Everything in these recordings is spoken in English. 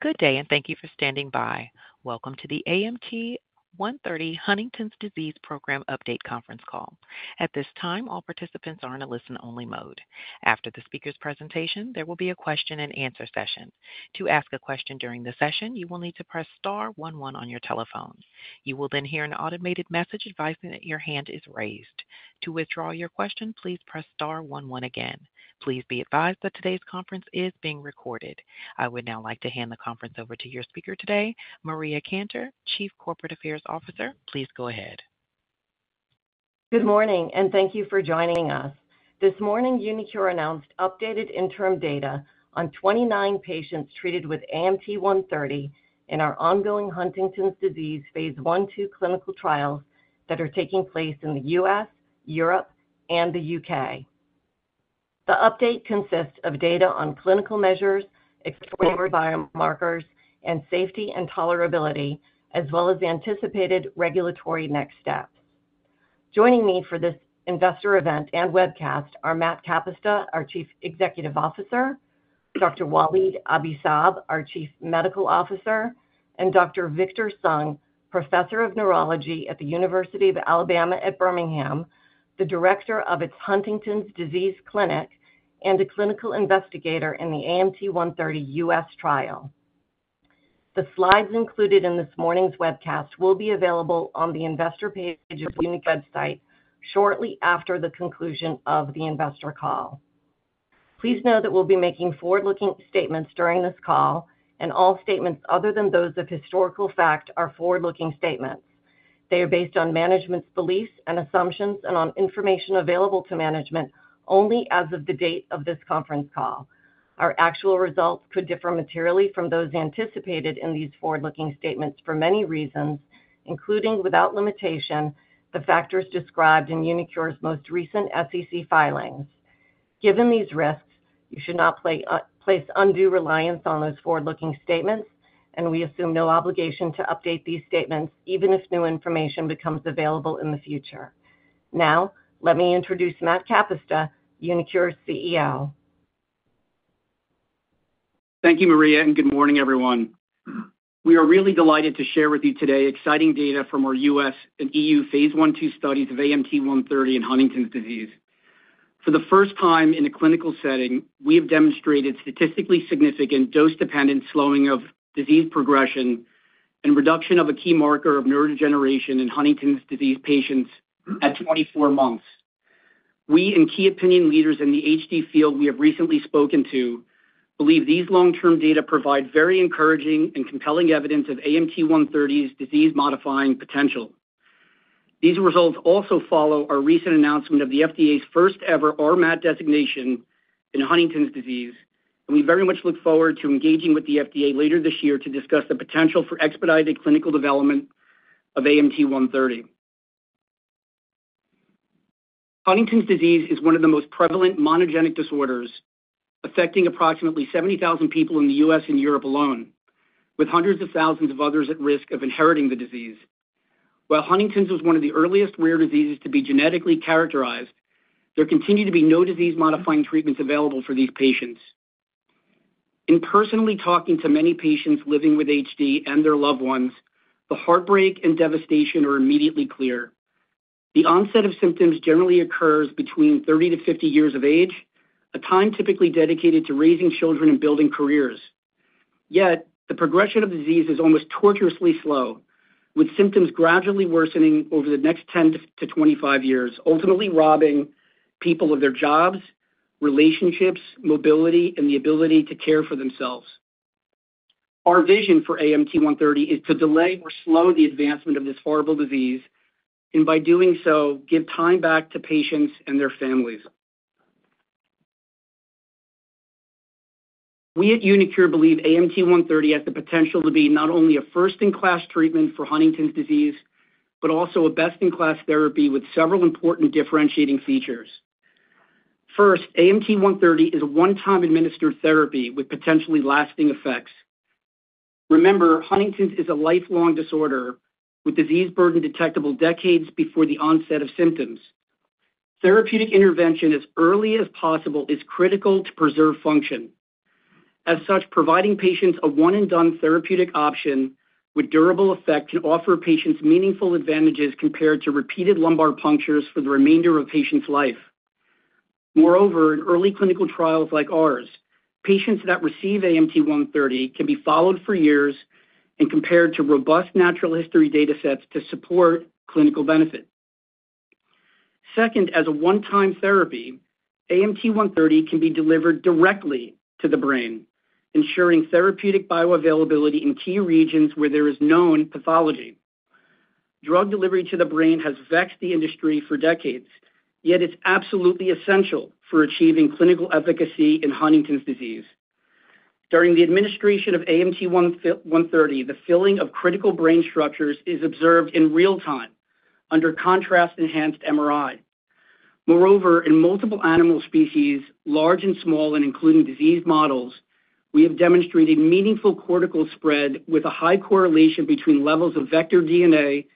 Good day, and thank you for standing by. Welcome to the AMT-130 Huntington's Disease Program Update conference call. At this time, all participants are in a listen-only mode. After the speaker's presentation, there will be a question-and-answer session. To ask a question during the session, you will need to press star one one on your telephones. You will then hear an automated message advising that your hand is raised. To withdraw your question, please press star one one again. Please be advised that today's conference is being recorded. I would now like to hand the conference over to your speaker today, Maria Cantor, Chief Corporate Affairs Officer. Please go ahead. Good morning, and thank you for joining us. This morning, uniQure announced updated interim data on 29 patients treated with AMT-130 in our ongoing Huntington's disease phase I/II clinical trials that are taking place in the U.S., Europe, and the U.K. The update consists of data on clinical measures, exploratory biomarkers, and safety and tolerability, as well as the anticipated regulatory next steps. Joining me for this investor event and webcast are Matt Kapusta, our Chief Executive Officer, Dr. Walid Abi-Saab, our Chief Medical Officer, and Dr. Victor Sung, Professor of Neurology at the University of Alabama at Birmingham, the Director of its Huntington's Disease Clinic, and a clinical investigator in the AMT-130 U.S. trial. The slides included in this morning's webcast will be available on the investor page of uniQure's website shortly after the conclusion of the investor call. Please know that we'll be making forward-looking statements during this call, and all statements other than those of historical fact are forward-looking statements. They are based on management's beliefs and assumptions and on information available to management only as of the date of this conference call. Our actual results could differ materially from those anticipated in these forward-looking statements for many reasons, including, without limitation, the factors described in uniQure's most recent SEC filings. Given these risks, you should not place undue reliance on those forward-looking statements, and we assume no obligation to update these statements, even if new information becomes available in the future. Now, let me introduce Matt Kapusta, uniQure's CEO. Thank you, Maria, and good morning, everyone. We are really delighted to share with you today exciting data from our U.S. and EU phase I/II studies of AMT-130 and Huntington's disease. For the first time in a clinical setting, we have demonstrated statistically significant dose-dependent slowing of disease progression and reduction of a key marker of neurodegeneration in Huntington's disease patients at 24 months. We and key opinion leaders in the HD field we have recently spoken to believe these long-term data provide very encouraging and compelling evidence of AMT-130's disease-modifying potential. These results also follow our recent announcement of the FDA's first-ever RMAT designation in Huntington's disease, and we very much look forward to engaging with the FDA later this year to discuss the potential for expedited clinical development of AMT-130. Huntington's disease is one of the most prevalent monogenic disorders, affecting approximately 70,000 people in the U.S. and Europe alone, with hundreds of thousands of others at risk of inheriting the disease. While Huntington's was one of the earliest rare diseases to be genetically characterized, there continue to be no disease-modifying treatments available for these patients. In personally talking to many patients living with HD and their loved ones, the heartbreak and devastation are immediately clear. The onset of symptoms generally occurs between 30-50 years of age, a time typically dedicated to raising children and building careers. Yet, the progression of the disease is almost tortuously slow, with symptoms gradually worsening over the next 10-25 years, ultimately robbing people of their jobs, relationships, mobility, and the ability to care for themselves. Our vision for AMT-130 is to delay or slow the advancement of this horrible disease, and by doing so, give time back to patients and their families. We at uniQure believe AMT-130 has the potential to be not only a first-in-class treatment for Huntington's disease, but also a best-in-class therapy with several important differentiating features. First, AMT-130 is a one-time administered therapy with potentially lasting effects. Remember, Huntington's is a lifelong disorder with disease burden detectable decades before the onset of symptoms. Therapeutic intervention as early as possible is critical to preserve function. As such, providing patients a one-and-done therapeutic option with durable effect can offer patients meaningful advantages compared to repeated lumbar punctures for the remainder of a patient's life. Moreover, in early clinical trials like ours, patients that receive AMT-130 can be followed for years and compared to robust natural history datasets to support clinical benefit. Second, as a one-time therapy, AMT-130 can be delivered directly to the brain, ensuring therapeutic bioavailability in key regions where there is known pathology. Drug delivery to the brain has vexed the industry for decades, yet it's absolutely essential for achieving clinical efficacy in Huntington's disease. During the administration of AMT-130, the filling of critical brain structures is observed in real time under contrast-enhanced MRI. Moreover, in multiple animal species, large and small, and including disease models, we have demonstrated meaningful cortical spread with a high correlation between levels of vector DNA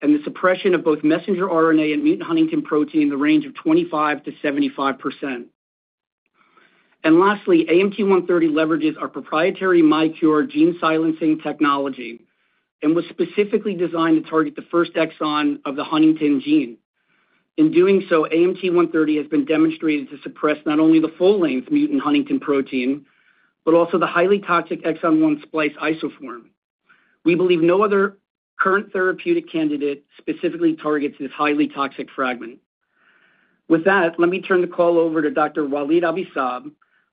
and the suppression of both messenger RNA and mutant huntingtin protein in the range of 25%-75%. And lastly, AMT-130 leverages our proprietary miQURE gene silencing technology and was specifically designed to target the first exon of the huntingtin gene. In doing so, AMT-130 has been demonstrated to suppress not only the full-length mutant huntingtin protein, but also the highly toxic exon 1 splice isoform. We believe no other current therapeutic candidate specifically targets this highly toxic fragment. With that, let me turn the call over to Dr. Walid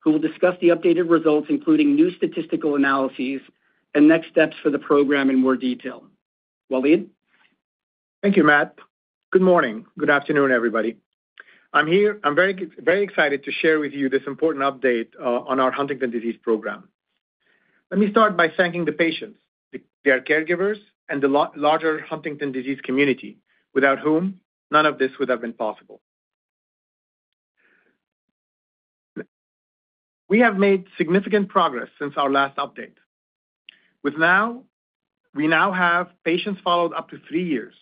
Abi-Saab, who will discuss the updated results, including new statistical analyses and next steps for the program in more detail. Walid? Thank you, Matt. Good morning. Good afternoon, everybody. I'm here. I'm very, very excited to share with you this important update on our Huntington's disease program. Let me start by thanking the patients, their caregivers, and the larger Huntington's disease community, without whom none of this would have been possible. We have made significant progress since our last update. Now we have patients followed up to 3 years,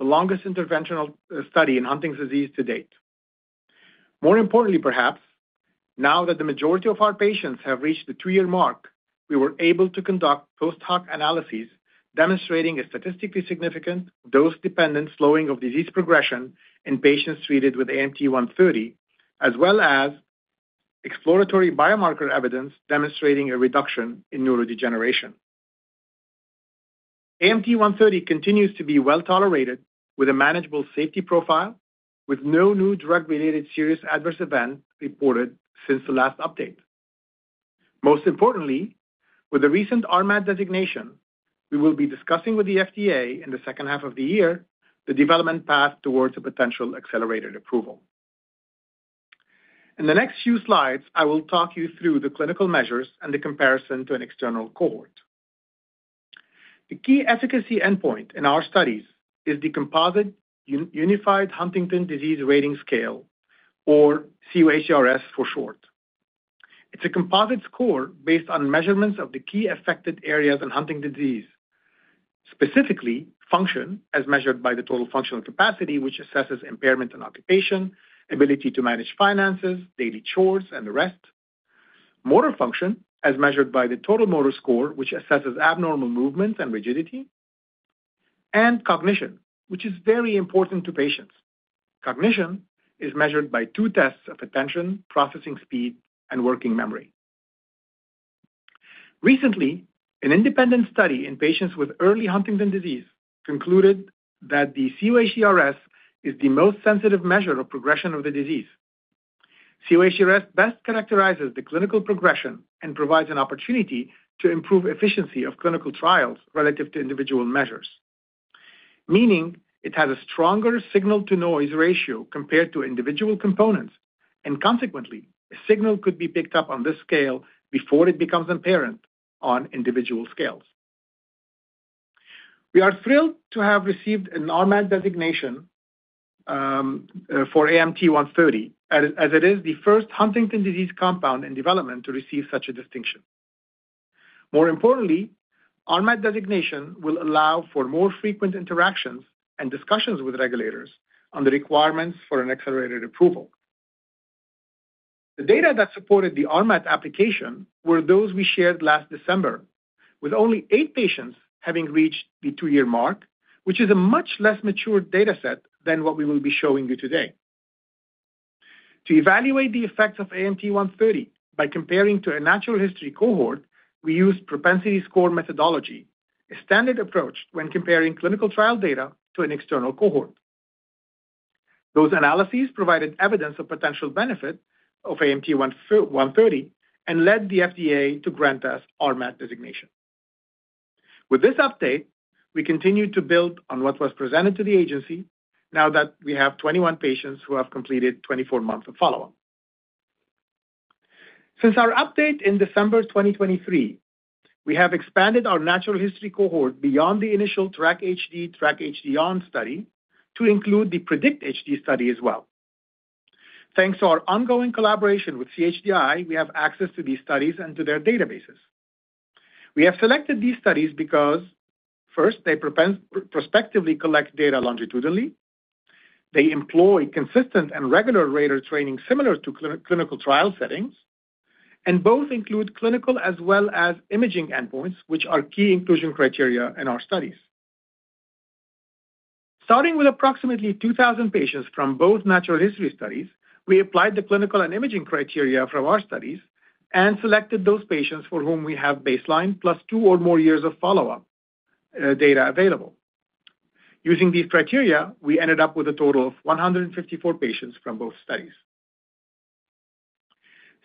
the longest interventional study in Huntington's disease to date. More importantly, perhaps, now that the majority of our patients have reached the 2-year mark, we were able to conduct post-hoc analyses, demonstrating a statistically significant dose-dependent slowing of disease progression in patients treated with AMT-130, as well as exploratory biomarker evidence demonstrating a reduction in neurodegeneration. AMT-130 continues to be well-tolerated, with a manageable safety profile, with no new drug-related serious adverse event reported since the last update. Most importantly, with the recent RMAT designation, we will be discussing with the FDA in the second half of the year the development path towards a potential accelerated approval. In the next few slides, I will talk you through the clinical measures and the comparison to an external cohort. The key efficacy endpoint in our studies is the Composite Unified Huntington’s Disease Rating Scale, or cUHDRS for short. It's a composite score based on measurements of the key affected areas in Huntington’s disease. Specifically, function, as measured by the total functional capacity, which assesses impairment in occupation, ability to manage finances, daily chores, and the rest. Motor function, as measured by the total motor score, which assesses abnormal movements and rigidity. Cognition, which is very important to patients. Cognition is measured by two tests of attention, processing speed, and working memory. Recently, an independent study in patients with early Huntington's disease concluded that the cUHDRS is the most sensitive measure of progression of the disease. cUHDRS best characterizes the clinical progression and provides an opportunity to improve efficiency of clinical trials relative to individual measures, meaning it has a stronger signal-to-noise ratio compared to individual components, and consequently, a signal could be picked up on this scale before it becomes apparent on individual scales. We are thrilled to have received an RMAT designation for AMT-130, as it is the first Huntington's disease compound in development to receive such a distinction. More importantly, RMAT designation will allow for more frequent interactions and discussions with regulators on the requirements for an accelerated approval. The data that supported the RMAT application were those we shared last December, with only 8 patients having reached the 2-year mark, which is a much less mature data set than what we will be showing you today. To evaluate the effects of AMT-130 by comparing to a natural history cohort, we used propensity score methodology, a standard approach when comparing clinical trial data to an external cohort. Those analyses provided evidence of potential benefit of AMT-130 and led the FDA to grant us RMAT designation. With this update, we continue to build on what was presented to the agency now that we have 21 patients who have completed 24 months of follow-up. Since our update in December 2023, we have expanded our natural history cohort beyond the initial TRACK-HD/TRACK-HD-ON study to include the PREDICT-HD study as well. Thanks to our ongoing collaboration with CHDI, we have access to these studies and to their databases. We have selected these studies because, first, they prospectively collect data longitudinally, they employ consistent and regular rater training similar to clinical trial settings, and both include clinical as well as imaging endpoints, which are key inclusion criteria in our studies. Starting with approximately 2,000 patients from both natural history studies, we applied the clinical and imaging criteria from our studies and selected those patients for whom we have baseline, plus 2 or more years of follow-up data available. Using these criteria, we ended up with a total of 154 patients from both studies.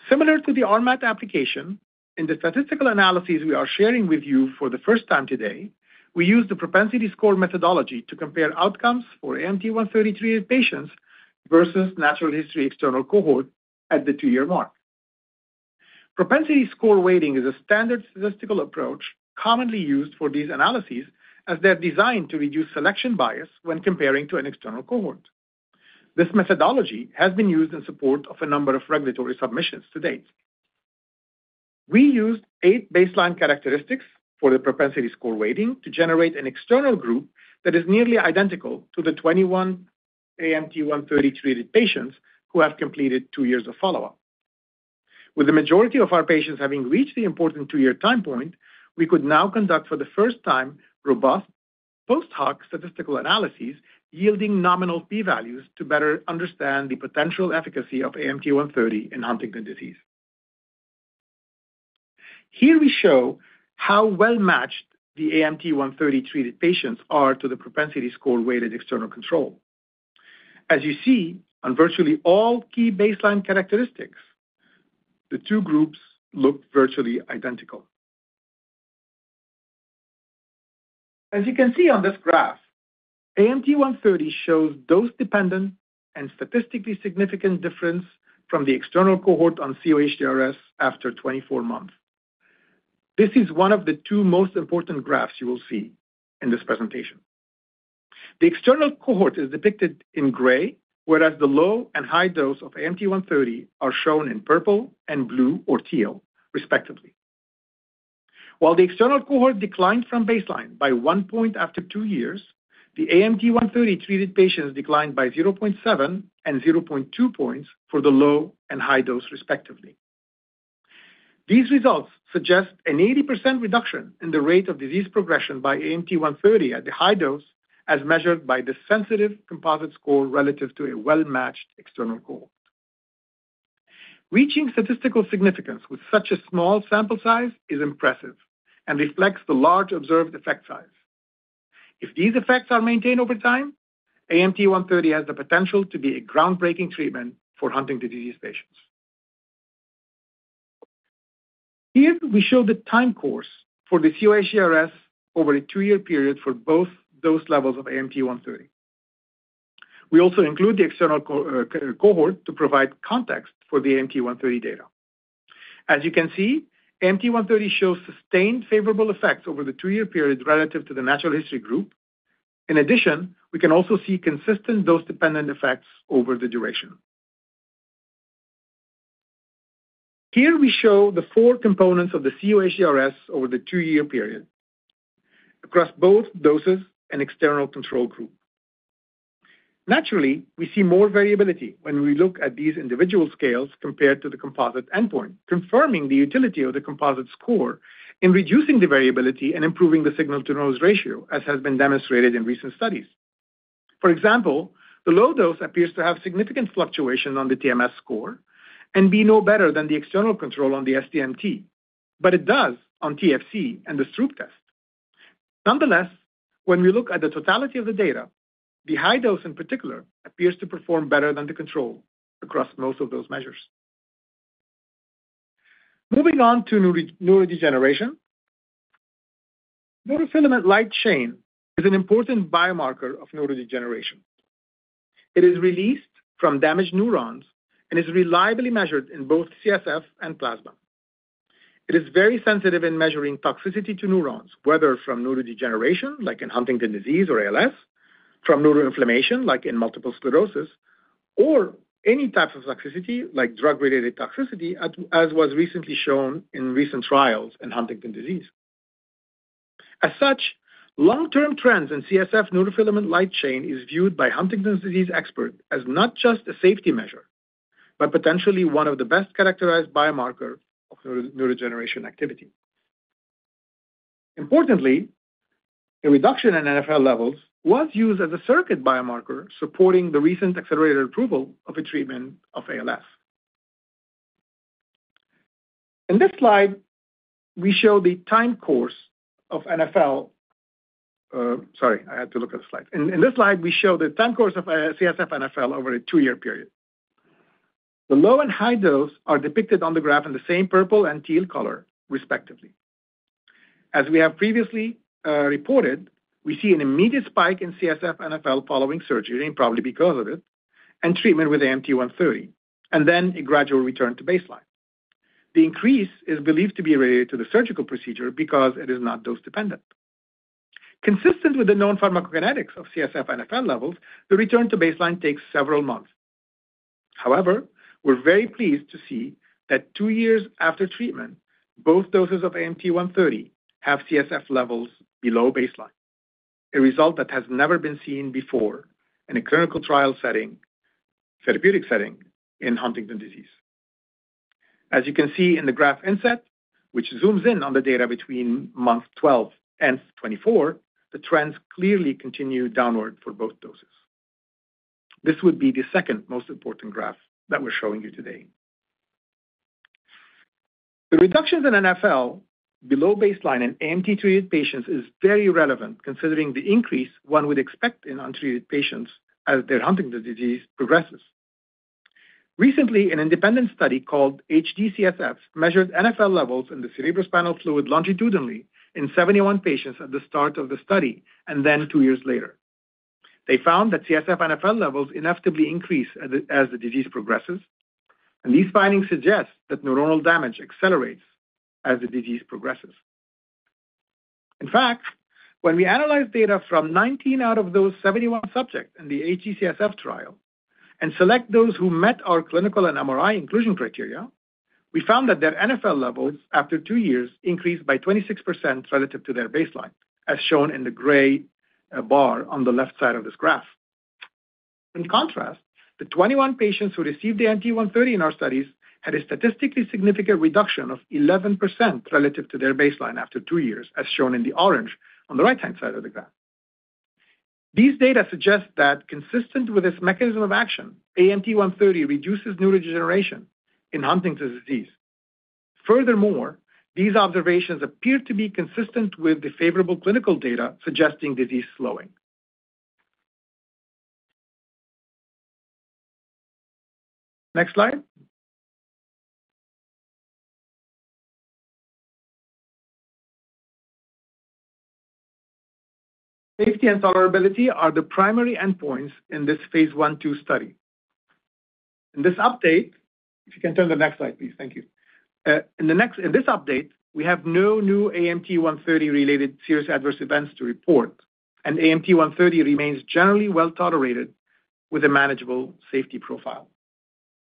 Similar to the RMAT application, in the statistical analyses we are sharing with you for the first time today, we used the propensity score methodology to compare outcomes for AMT-130 treated patients versus natural history external cohort at the two-year mark. Propensity score weighting is a standard statistical approach commonly used for these analyses, as they're designed to reduce selection bias when comparing to an external cohort. This methodology has been used in support of a number of regulatory submissions to date.... We used 8 baseline characteristics for the propensity score weighting to generate an external group that is nearly identical to the 21 AMT-130 treated patients who have completed 2 years of follow-up. With the majority of our patients having reached the important 2-year time point, we could now conduct, for the first time, robust post hoc statistical analyses, yielding nominal p-values to better understand the potential efficacy of AMT-130 in Huntington’s disease. Here we show how well-matched the AMT-130 treated patients are to the propensity score weighted external control. As you see, on virtually all key baseline characteristics, the two groups look virtually identical. As you can see on this graph, AMT-130 shows dose-dependent and statistically significant difference from the external cohort on cUHDRS after 24 months. This is one of the two most important graphs you will see in this presentation. The external cohort is depicted in gray, whereas the low and high dose of AMT-130 are shown in purple and blue or teal, respectively. While the external cohort declined from baseline by 1 point after 2 years, the AMT-130 treated patients declined by 0.7 and 0.2 points for the low and high dose, respectively. These results suggest an 80% reduction in the rate of disease progression by AMT-130 at the high dose, as measured by the sensitive composite score relative to a well-matched external cohort. Reaching statistical significance with such a small sample size is impressive and reflects the large observed effect size. If these effects are maintained over time, AMT-130 has the potential to be a groundbreaking treatment for Huntington’s disease patients. Here, we show the time course for the cUHDRS over a 2-year period for both dose levels of AMT-130. We also include the external cohort to provide context for the AMT-130 data. As you can see, AMT-130 shows sustained favorable effects over the 2-year period relative to the natural history group. In addition, we can also see consistent dose-dependent effects over the duration. Here we show the 4 components of the cUHDRS over the 2-year period, across both doses and external control group. Naturally, we see more variability when we look at these individual scales compared to the composite endpoint, confirming the utility of the composite score in reducing the variability and improving the signal-to-noise ratio, as has been demonstrated in recent studies. For example, the low dose appears to have significant fluctuation on the TMS score and be no better than the external control on the SDMT, but it does on TFC and the Stroop Test. Nonetheless, when we look at the totality of the data, the high dose in particular, appears to perform better than the control across most of those measures. Moving on to neuro, neurodegeneration. Neurofilament light chain is an important biomarker of neurodegeneration. It is released from damaged neurons and is reliably measured in both CSF and plasma. It is very sensitive in measuring toxicity to neurons, whether from neurodegeneration, like in Huntington's disease or ALS, from neuroinflammation, like in multiple sclerosis, or any type of toxicity, like drug-related toxicity, as was recently shown in recent trials in Huntington's disease. As such, long-term trends in CSF neurofilament light chain is viewed by Huntington's disease expert as not just a safety measure, but potentially one of the best characterized biomarker of neuro, neurodegeneration activity. Importantly, a reduction in NfL levels was used as a surrogate biomarker supporting the recent accelerated approval of a treatment of ALS. In this slide, we show the time course of NfL. Sorry, I had to look at the slide. In this slide, we show the time course of CSF NfL over a two-year period. The low and high dose are depicted on the graph in the same purple and teal color, respectively. As we have previously reported, we see an immediate spike in CSF NfL following surgery, and probably because of it, and treatment with AMT-130, and then a gradual return to baseline. The increase is believed to be related to the surgical procedure because it is not dose-dependent. Consistent with the known pharmacokinetics of CSF NfL levels, the return to baseline takes several months. However, we're very pleased to see that two years after treatment, both doses of AMT-130 have CSF levels below baseline, a result that has never been seen before in a clinical trial setting, therapeutic setting in Huntington's disease. As you can see in the graph inset, which zooms in on the data between month 12 and 24, the trends clearly continue downward for both doses. This would be the second most important graph that we're showing you today. The reductions in NfL below baseline in AMT-treated patients is very relevant, considering the increase one would expect in untreated patients as their Huntington's disease progresses. Recently, an independent study called HD-CSF measured NfL levels in the cerebrospinal fluid longitudinally in 71 patients at the start of the study, and then two years later. They found that CSF NfL levels inevitably increase as the disease progresses, and these findings suggest that neuronal damage accelerates as the disease progresses. In fact, when we analyzed data from 19 out of those 71 subjects in the HD-CSF trial and select those who met our clinical and MRI inclusion criteria, we found that their NfL levels after two years increased by 26% relative to their baseline, as shown in the gray bar on the left side of this graph. In contrast, the 21 patients who received the AMT-130 in our studies had a statistically significant reduction of 11% relative to their baseline after two years, as shown in the orange on the right-hand side of the graph. These data suggest that consistent with this mechanism of action, AMT-130 reduces neurodegeneration in Huntington's disease. Furthermore, these observations appear to be consistent with the favorable clinical data suggesting disease slowing. Next slide. Safety and tolerability are the primary endpoints in this phase I/II study. In this update... If you can turn to the next slide, please. Thank you. In this update, we have no new AMT-130 related serious adverse events to report, and AMT-130 remains generally well tolerated with a manageable safety profile.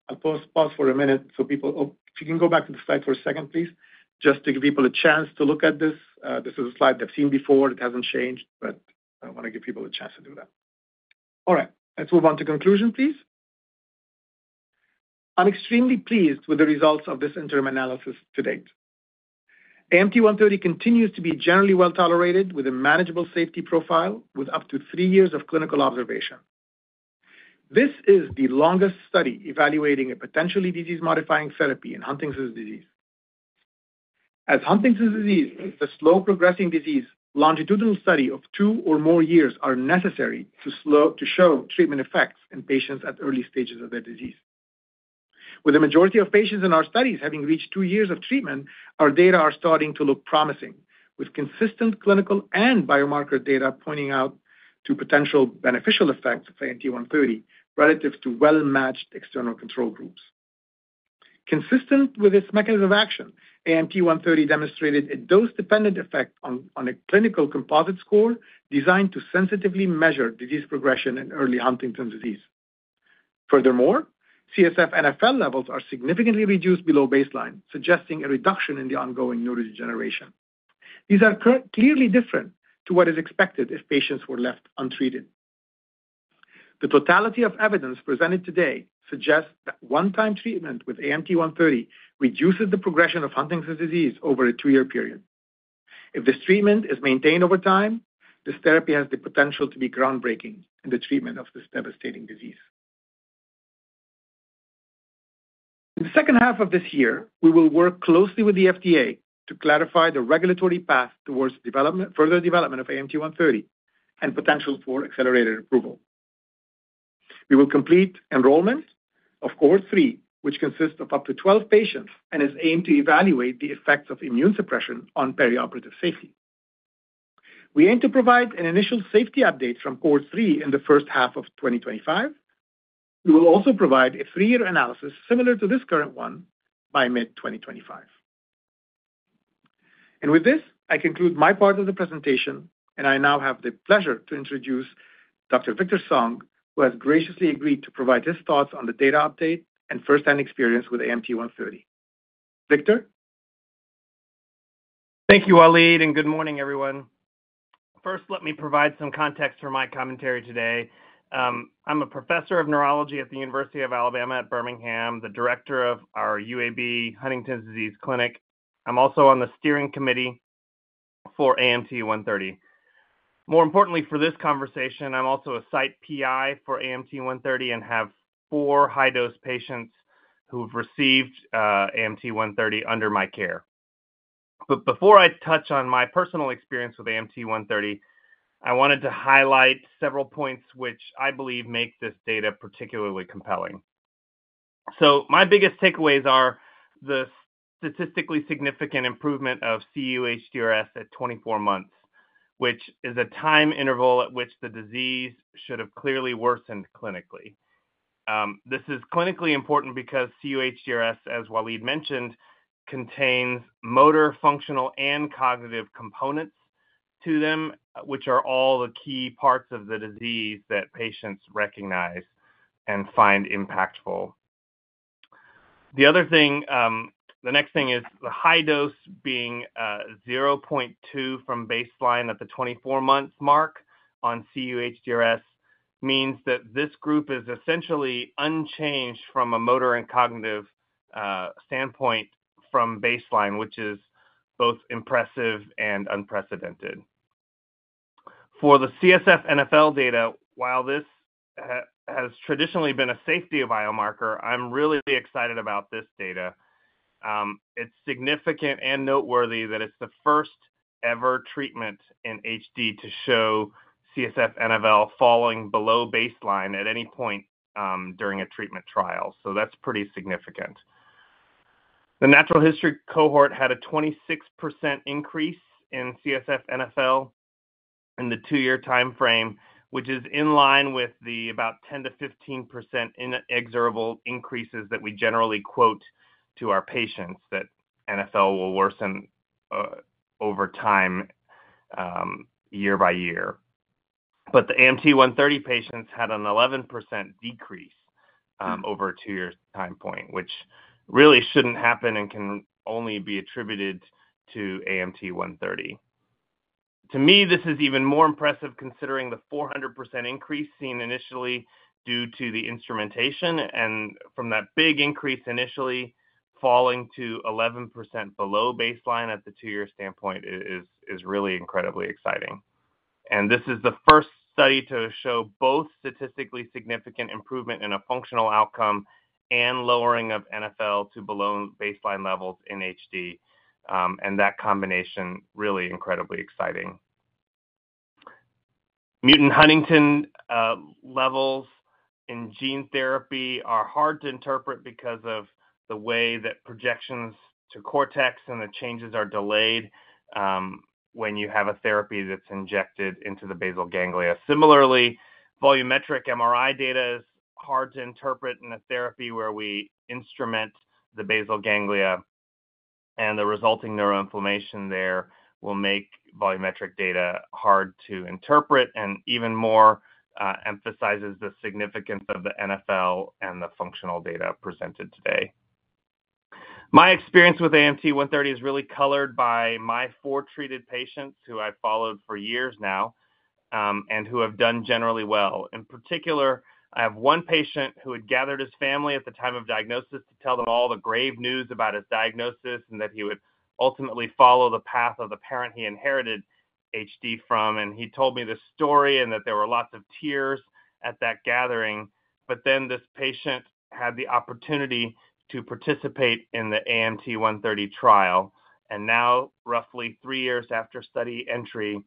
I'll pause for a minute so people—if you can go back to the slide for a second, please, just to give people a chance to look at this. This is a slide they've seen before. It hasn't changed, but I wanna give people a chance to do that. All right, let's move on to conclusion, please. I'm extremely pleased with the results of this interim analysis to date. AMT-130 continues to be generally well tolerated with a manageable safety profile, with up to three years of clinical observation. This is the longest study evaluating a potentially disease-modifying therapy in Huntington's disease. As Huntington's disease is a slow-progressing disease, longitudinal study of two or more years are necessary to show treatment effects in patients at early stages of their disease. With the majority of patients in our studies having reached two years of treatment, our data are starting to look promising, with consistent clinical and biomarker data pointing out to potential beneficial effects of AMT-130, relative to well-matched external control groups. Consistent with this mechanism of action, AMT-130 demonstrated a dose-dependent effect on a clinical composite score designed to sensitively measure disease progression in early Huntington's disease. Furthermore, CSF NfL levels are significantly reduced below baseline, suggesting a reduction in the ongoing neurodegeneration. These are clearly different to what is expected if patients were left untreated. The totality of evidence presented today suggests that one-time treatment with AMT-130 reduces the progression of Huntington's disease over a 2-year period. If this treatment is maintained over time, this therapy has the potential to be groundbreaking in the treatment of this devastating disease. In the second half of this year, we will work closely with the FDA to clarify the regulatory path towards further development of AMT-130 and potential for accelerated approval. We will complete enrollment of cohort 3, which consists of up to 12 patients and is aimed to evaluate the effects of immune suppression on perioperative safety. We aim to provide an initial safety update from cohort 3 in the first half of 2025. We will also provide a 3-year analysis similar to this current one by mid-2025. With this, I conclude my part of the presentation, and I now have the pleasure to introduce Dr. Victor Sung, who has graciously agreed to provide his thoughts on the data update and firsthand experience with AMT-130. Victor? Thank you, Walid, and good morning, everyone. First, let me provide some context for my commentary today. I'm a professor of neurology at the University of Alabama at Birmingham, the director of our UAB Huntington's Disease Clinic. I'm also on the steering committee for AMT-130. More importantly for this conversation, I'm also a site PI for AMT-130 and have four high-dose patients who've received AMT-130 under my care. Before I touch on my personal experience with AMT-130, I wanted to highlight several points which I believe make this data particularly compelling. My biggest takeaways are the statistically significant improvement of cUHDRS at 24 months, which is a time interval at which the disease should have clearly worsened clinically. This is clinically important because cUHDRS, as Walid mentioned, contains motor, functional, and cognitive components to them, which are all the key parts of the disease that patients recognize and find impactful. The other thing, the next thing is the high dose being 0.2 from baseline at the 24-month mark on cUHDRS, means that this group is essentially unchanged from a motor and cognitive standpoint from baseline, which is both impressive and unprecedented. For the CSF NfL data, while this has traditionally been a safety biomarker, I'm really excited about this data. It's significant and noteworthy that it's the first ever treatment in HD to show CSF NfL falling below baseline at any point, during a treatment trial, so that's pretty significant. The natural history cohort had a 26% increase in CSF NfL-... in the two-year timeframe, which is in line with the about 10%-15% inexorable increases that we generally quote to our patients, that NfL will worsen, over time, year by year. But the AMT-130 patients had an 11% decrease, over a two-year time point, which really shouldn't happen and can only be attributed to AMT-130. To me, this is even more impressive considering the 400% increase seen initially due to the instrumentation, and from that big increase initially falling to 11% below baseline at the two-year standpoint is really incredibly exciting. And this is the first study to show both statistically significant improvement in a functional outcome and lowering of NfL to below baseline levels in HD, and that combination really incredibly exciting. Mutant huntingtin levels in gene therapy are hard to interpret because of the way that projections to cortex and the changes are delayed, when you have a therapy that's injected into the basal ganglia. Similarly, volumetric MRI data is hard to interpret in a therapy where we instrument the basal ganglia, and the resulting neuroinflammation there will make volumetric data hard to interpret and even more emphasizes the significance of the NfL and the functional data presented today. My experience with AMT-130 is really colored by my four treated patients, who I've followed for years now, and who have done generally well. In particular, I have one patient who had gathered his family at the time of diagnosis to tell them all the grave news about his diagnosis and that he would ultimately follow the path of the parent he inherited HD from. He told me this story and that there were lots of tears at that gathering. But then this patient had the opportunity to participate in the AMT-130 trial, and now, roughly three years after study entry,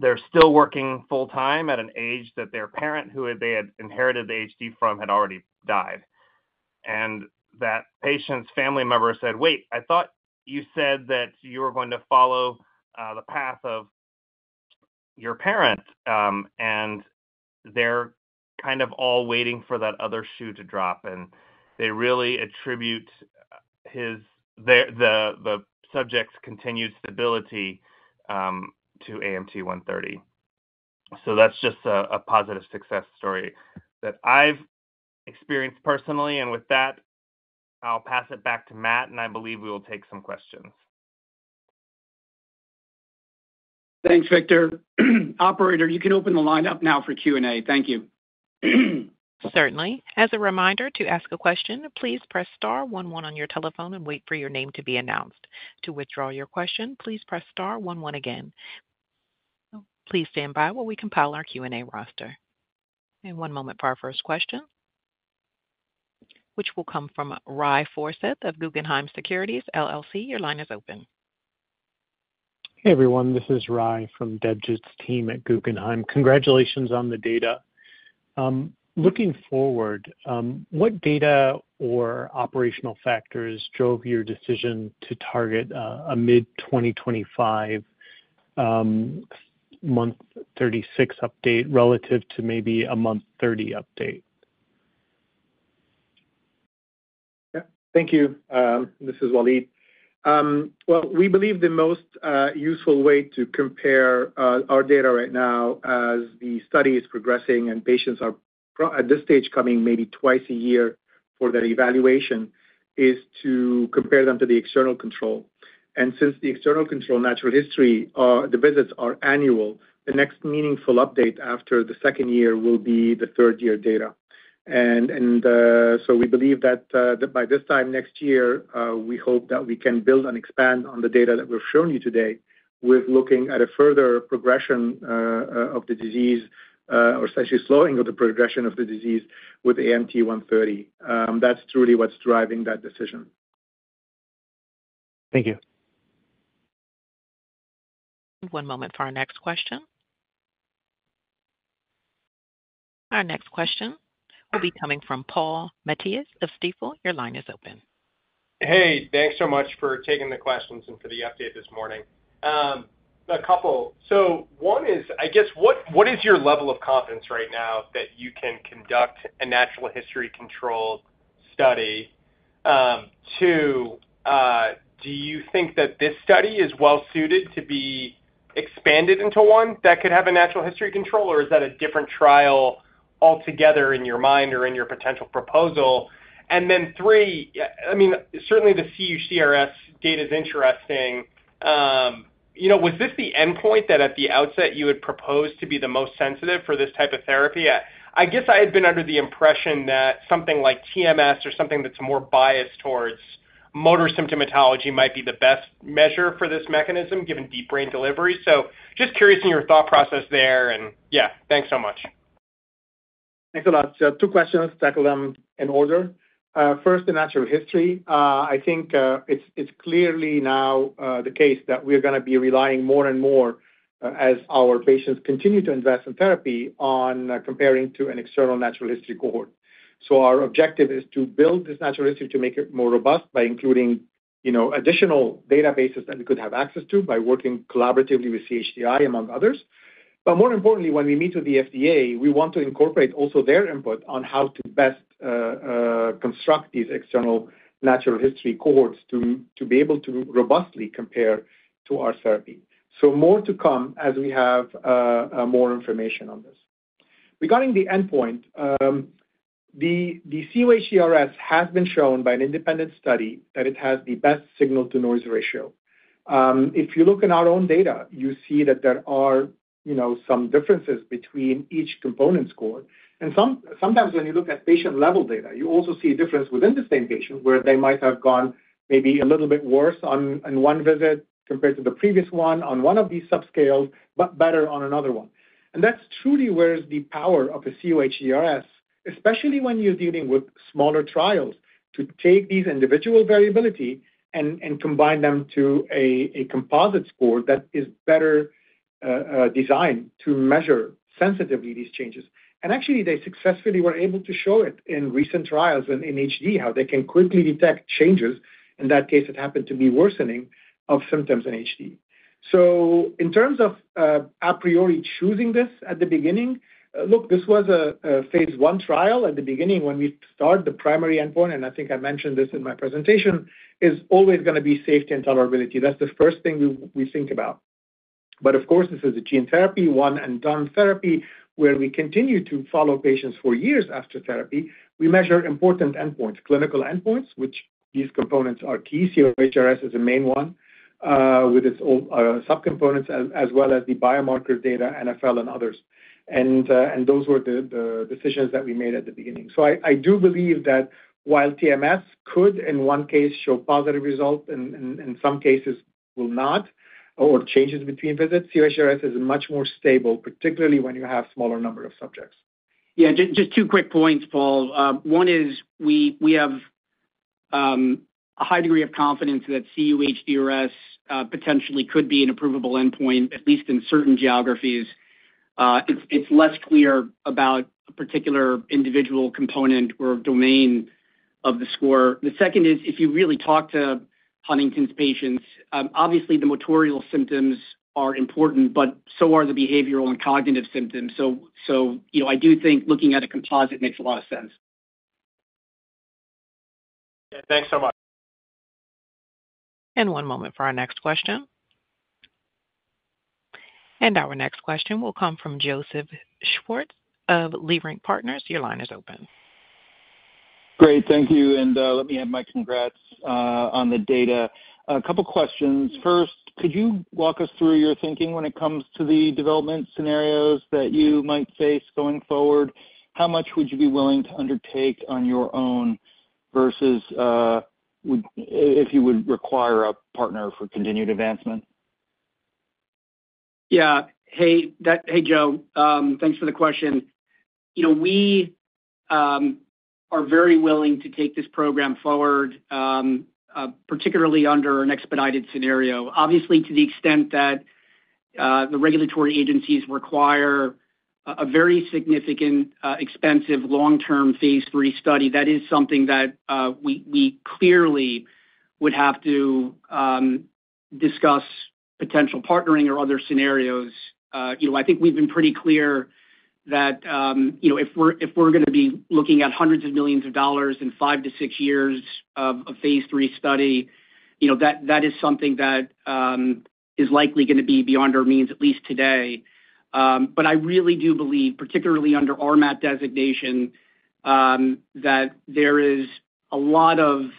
they're still working full-time at an age that their parent, who they had inherited the HD from, had already died. That patient's family member said: "Wait, I thought you said that you were going to follow the path of your parent." They're kind of all waiting for that other shoe to drop, and they really attribute the subject's continued stability to AMT-130. So that's just a positive success story that I've experienced personally. With that, I'll pass it back to Matt, and I believe we will take some questions. Thanks, Victor. Operator, you can open the line up now for Q&A. Thank you. Certainly. As a reminder, to ask a question, please press star one one on your telephone and wait for your name to be announced. To withdraw your question, please press star one one again. Please stand by while we compile our Q&A roster. One moment for our first question, which will come from Ry Forseth of Guggenheim Securities, LLC. Your line is open. Hey, everyone. This is Ry from Debjit's team at Guggenheim. Congratulations on the data. Looking forward, what data or operational factors drove your decision to target a, a mid-2025, month 36 update relative to maybe a month 30 update? Yeah. Thank you. This is Walid. Well, we believe the most useful way to compare our data right now as the study is progressing and patients are, at this stage, coming maybe twice a year for their evaluation, is to compare them to the external control. And since the external control natural history visits are annual, the next meaningful update after the second year will be the third-year data. And so we believe that by this time next year we hope that we can build and expand on the data that we've shown you today with looking at a further progression of the disease or essentially slowing of the progression of the disease with AMT-130. That's truly what's driving that decision. Thank you. One moment for our next question. Our next question will be coming from Paul Matteis of Stifel. Your line is open. Hey, thanks so much for taking the questions and for the update this morning. A couple. So one is, I guess, what is your level of confidence right now that you can conduct a natural history control study? Two, do you think that this study is well suited to be expanded into one that could have a natural history control, or is that a different trial altogether in your mind or in your potential proposal? And then three, I mean, certainly the cUHDRS data is interesting. You know, was this the endpoint that at the outset you had proposed to be the most sensitive for this type of therapy? I guess I had been under the impression that something like TMS or something that's more biased towards motor symptomatology might be the best measure for this mechanism, given deep brain delivery. So, just curious in your thought process there, and, yeah, thanks so much. Thanks a lot. So two questions, tackle them in order. First, the natural history. I think it's clearly now the case that we're gonna be relying more and more, as our patients continue to invest in therapy, on comparing to an external natural history cohort. So our objective is to build this natural history, to make it more robust by including—you know, additional databases that we could have access to by working collaboratively with CHDI, among others. But more importantly, when we meet with the FDA, we want to incorporate also their input on how to best construct these external natural history cohorts to be able to robustly compare to our therapy. So more to come as we have more information on this. Regarding the endpoint, the cUHDRS has been shown by an independent study that it has the best signal-to-noise ratio. If you look in our own data, you see that there are, you know, some differences between each component score. Sometimes when you look at patient-level data, you also see a difference within the same patient, where they might have gone maybe a little bit worse on, in one visit compared to the previous one on one of these subscales, but better on another one. That's truly where is the power of a cUHDRS, especially when you're dealing with smaller trials, to take these individual variability and combine them to a composite score that is better designed to measure sensitively these changes. And actually, they successfully were able to show it in recent trials in HD, how they can quickly detect changes. In that case, it happened to be worsening of symptoms in HD. So in terms of a priori choosing this at the beginning, look, this was a phase I trial. At the beginning, when we started the primary endpoint, and I think I mentioned this in my presentation, is always gonna be safety and tolerability. That's the first thing we think about. But of course, this is a gene therapy, one-and-done therapy, where we continue to follow patients for years after therapy. We measure important endpoints, clinical endpoints, which these components are key. cUHDRS is the main one, with its own subcomponents, as well as the biomarker data, NfL and others. Those were the decisions that we made at the beginning. So I do believe that while TMS could, in one case, show positive results and in some cases will not, or changes between visits, cUHDRS is much more stable, particularly when you have smaller number of subjects. Yeah, just two quick points, Paul. One is we have a high degree of confidence that cUHDRS potentially could be an approvable endpoint, at least in certain geographies. It's less clear about a particular individual component or domain of the score. The second is, if you really talk to Huntington's patients, obviously, the motor symptoms are important, but so are the behavioral and cognitive symptoms. So, you know, I do think looking at a composite makes a lot of sense. Yeah, thanks so much. One moment for our next question. Our next question will come from Joseph Schwartz of Leerink Partners. Your line is open. Great, thank you, and, let me add my congrats, on the data. A couple questions. First, could you walk us through your thinking when it comes to the development scenarios that you might face going forward? How much would you be willing to undertake on your own versus, if you would require a partner for continued advancement? Yeah. Hey, Joe, thanks for the question. You know, we are very willing to take this program forward, particularly under an expedited scenario. Obviously, to the extent that the regulatory agencies require a very significant, expensive, long-term phase III study, that is something that we clearly would have to discuss potential partnering or other scenarios. You know, I think we've been pretty clear that, you know, if we're gonna be looking at $hundreds of millions in 5-6 years of a phase III study, you know, that is something that is likely gonna be beyond our means, at least today. But I really do believe, particularly under RMAT designation, that there is a lot of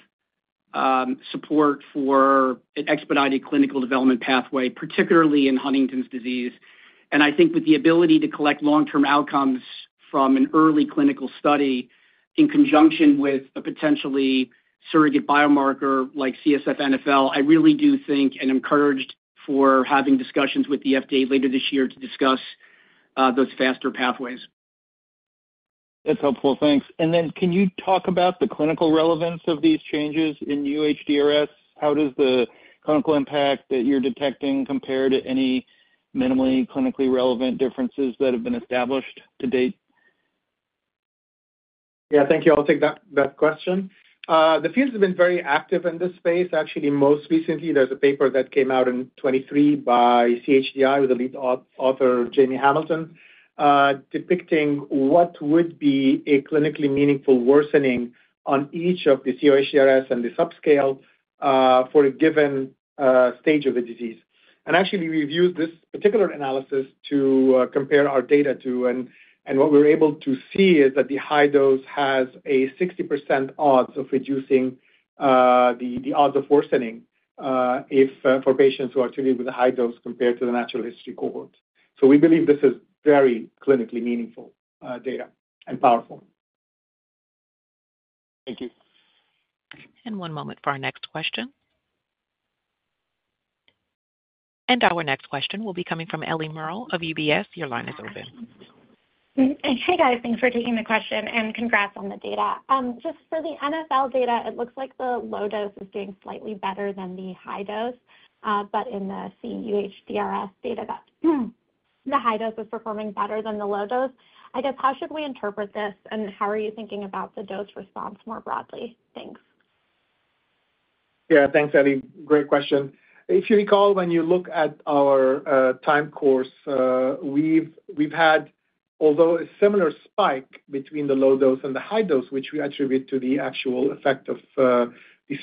support for an expedited clinical development pathway, particularly in Huntington's disease. I think with the ability to collect long-term outcomes from an early clinical study in conjunction with a potentially surrogate biomarker like CSF NfL, I really do think and encouraged for having discussions with the FDA later this year to discuss those faster pathways. That's helpful. Thanks. And then can you talk about the clinical relevance of these changes in cUHDRS? How does the clinical impact that you're detecting compare to any minimally clinically relevant differences that have been established to date? Yeah, thank you. I'll take that question. The field has been very active in this space. Actually, most recently, there's a paper that came out in 2023 by CHDI, with the lead author Jamie Hamilton, depicting what would be a clinically meaningful worsening on each of the cUHDRS and the subscale, for a given stage of the disease. And actually, we've used this particular analysis to compare our data to, and what we were able to see is that the high dose has a 60% odds of reducing the odds of worsening, for patients who are treated with a high dose compared to the natural history cohort. So we believe this is very clinically meaningful data, and powerful. Thank you. One moment for our next question. Our next question will be coming from Ellie Merle of UBS. Your line is open. Hey, guys. Thanks for taking the question, and congrats on the data. Just for the NfL data, it looks like the low dose is doing slightly better than the high dose, but in the cUHDRS data, that... the high dose is performing better than the low dose. I guess, how should we interpret this, and how are you thinking about the dose response more broadly? Thanks. Yeah, thanks, Abby. Great question. If you recall, when you look at our time course, we've had, although a similar spike between the low dose and the high dose, which we attribute to the actual effect of the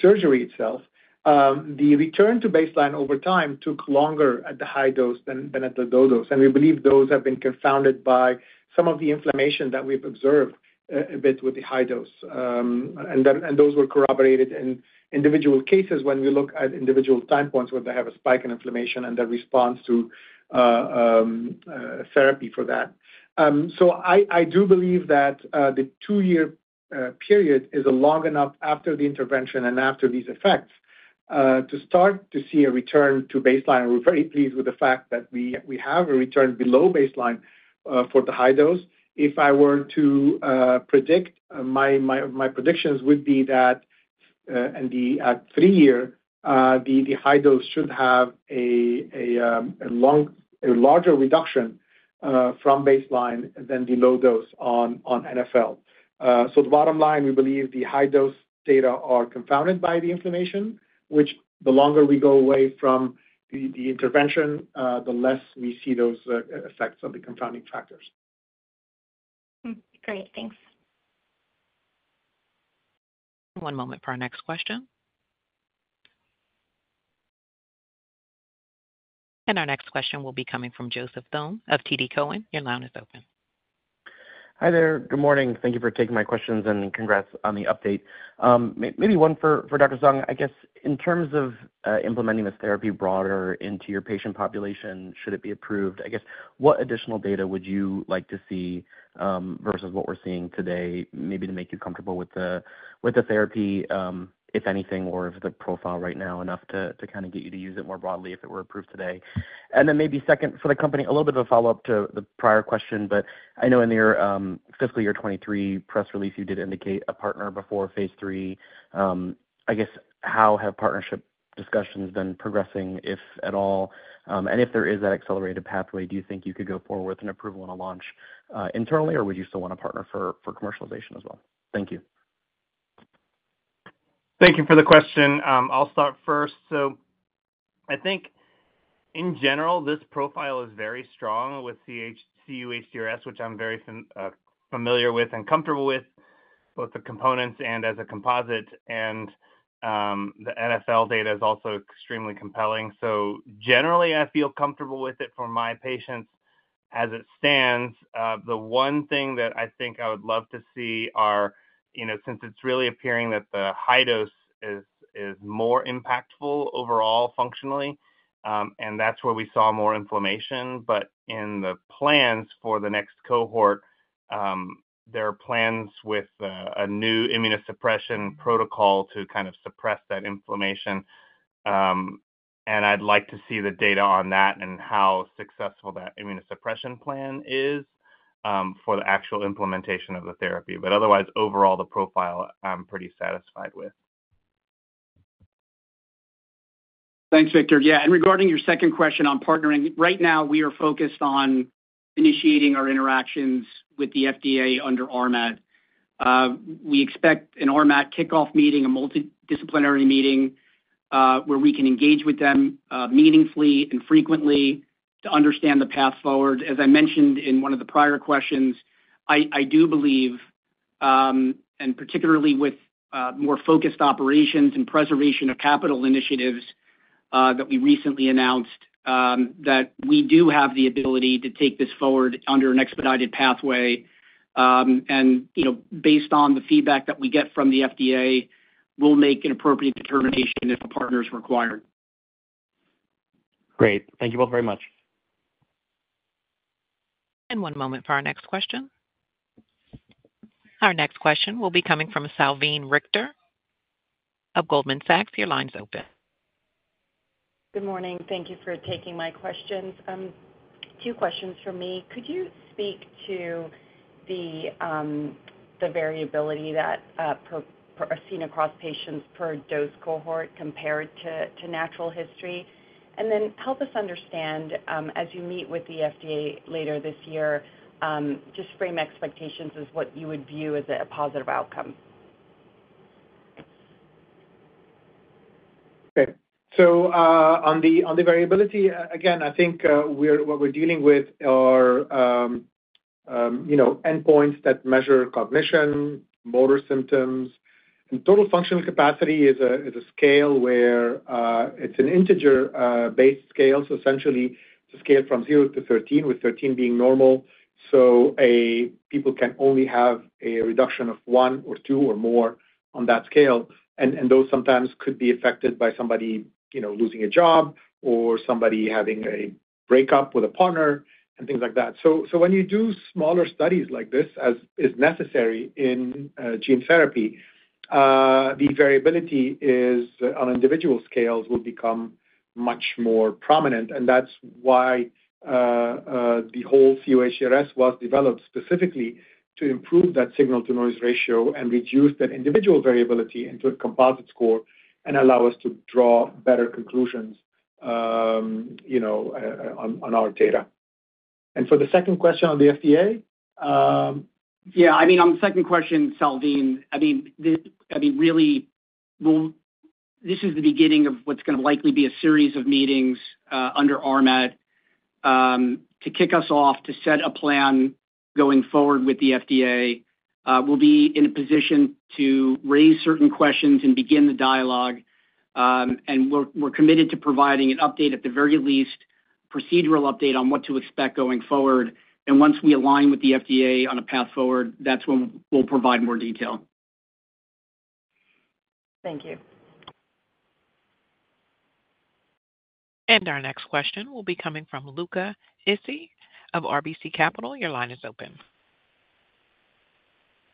surgery itself, the return to baseline over time took longer at the high dose than at the low dose, and we believe those have been confounded by some of the inflammation that we've observed a bit with the high dose. And those were corroborated in individual cases when we look at individual time points where they have a spike in inflammation and the response to therapy for that. So I do believe that the two-year period is long enough after the intervention and after these effects to start to see a return to baseline. We're very pleased with the fact that we have a return below baseline for the high dose. If I were to predict, my predictions would be that in the 3-year, the high dose should have a larger reduction from baseline than the low dose on NfL. So the bottom line, we believe the high dose data are confounded by the inflammation, which the longer we go away from the intervention, the less we see those effects of the confounding factors. Hmm. Great, thanks. One moment for our next question. Our next question will be coming from Joseph Thome of TD Cowen. Your line is open. Hi there. Good morning. Thank you for taking my questions, and congrats on the update. Maybe one for Dr. Sung. I guess, in terms of implementing this therapy broader into your patient population, should it be approved, I guess, what additional data would you like to see versus what we're seeing today, maybe to make you comfortable with the therapy, if anything, or if the profile right now enough to kind of get you to use it more broadly if it were approved today? And then maybe second, for the company, a little bit of a follow-up to the prior question, but I know in your fiscal year 2023 press release, you did indicate a partner before phase III. I guess, how have partnership discussions been progressing, if at all? And if there is that accelerated pathway, do you think you could go forward with an approval and a launch, internally, or would you still want a partner for commercialization as well? Thank you. Thank you for the question. I'll start first. So I think in general, this profile is very strong with cUHDRS, which I'm very familiar with and comfortable with, both the components and as a composite. And the NfL data is also extremely compelling. So generally, I feel comfortable with it for my patients. As it stands, the one thing that I think I would love to see are, you know, since it's really appearing that the high dose is more impactful overall functionally, and that's where we saw more inflammation. But in the plans for the next cohort, there are plans with a new immunosuppression protocol to kind of suppress that inflammation. And I'd like to see the data on that and how successful that immunosuppression plan is for the actual implementation of the therapy. Otherwise, overall, the profile, I'm pretty satisfied with. Thanks, Victor. Yeah, and regarding your second question on partnering, right now, we are focused on initiating our interactions with the FDA under RMAT. We expect an RMAT kickoff meeting, a multidisciplinary meeting, where we can engage with them meaningfully and frequently to understand the path forward. As I mentioned in one of the prior questions, I do believe, and particularly with more focused operations and preservation of capital initiatives that we recently announced, that we do have the ability to take this forward under an expedited pathway. And, you know, based on the feedback that we get from the FDA, we'll make an appropriate determination if a partner is required. Great. Thank you both very much. One moment for our next question. Our next question will be coming from Salveen Richter of Goldman Sachs. Your line's open. Good morning. Thank you for taking my questions. Two questions from me. Could you speak to the variability that are seen across patients per dose cohort compared to natural history? And then help us understand, as you meet with the FDA later this year, just frame expectations as what you would view as a positive outcome. Okay. So, on the, on the variability, again, I think, we're what we're dealing with are, you know, endpoints that measure cognition, motor symptoms, and Total Functional Capacity is a, is a scale where, it's an integer, based scale, so essentially, it's a scale from 0 to 13, with 13 being normal. So a people can only have a reduction of 1 or 2 or more on that scale, and, and those sometimes could be affected by somebody, you know, losing a job or somebody having a breakup with a partner and things like that. So when you do smaller studies like this, as is necessary in gene therapy, the variability is, on individual scales, will become much more prominent, and that's why the whole cUHDRS was developed specifically to improve that signal-to-noise ratio and reduce that individual variability into a composite score and allow us to draw better conclusions, you know, on our data. And for the second question on the FDA? Yeah, I mean, on the second question, Salveen, I mean, really, well, this is the beginning of what's gonna likely be a series of meetings under RMAT. To kick us off, to set a plan going forward with the FDA, we'll be in a position to raise certain questions and begin the dialogue. And we're, we're committed to providing an update, at the very least, procedural update on what to expect going forward. And once we align with the FDA on a path forward, that's when we'll, we'll provide more detail. Thank you. Our next question will be coming from Luca Issi of RBC Capital. Your line is open.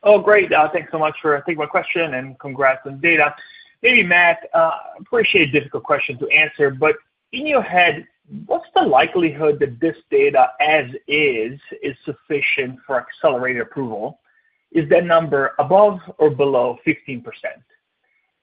Oh, great. Thanks so much for taking my question, and congrats on the data. Maybe, Matt, appreciate a difficult question to answer, but in your head, what's the likelihood that this data, as is, is sufficient for accelerated approval? Is that number above or below 15%?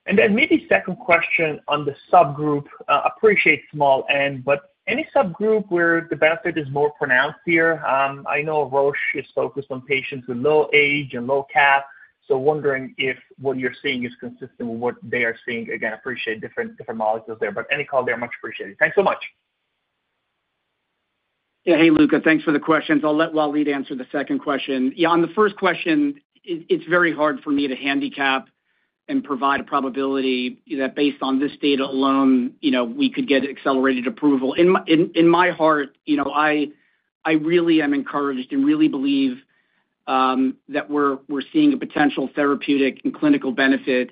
And then maybe second question on the subgroup, appreciate small N, but any subgroup where the benefit is more pronounced here? I know Roche is focused on patients with low age and low CAP, so wondering if what you're seeing is consistent with what they are seeing. Again, appreciate different, different molecules there, but any call there, much appreciated. Thanks so much. Yeah. Hey, Luca, thanks for the questions. I'll let Walid answer the second question. Yeah, on the first question, it's very hard for me to handicap and provide a probability that based on this data alone, you know, we could get accelerated approval. In my heart, you know, I really am encouraged and really believe that we're seeing a potential therapeutic and clinical benefit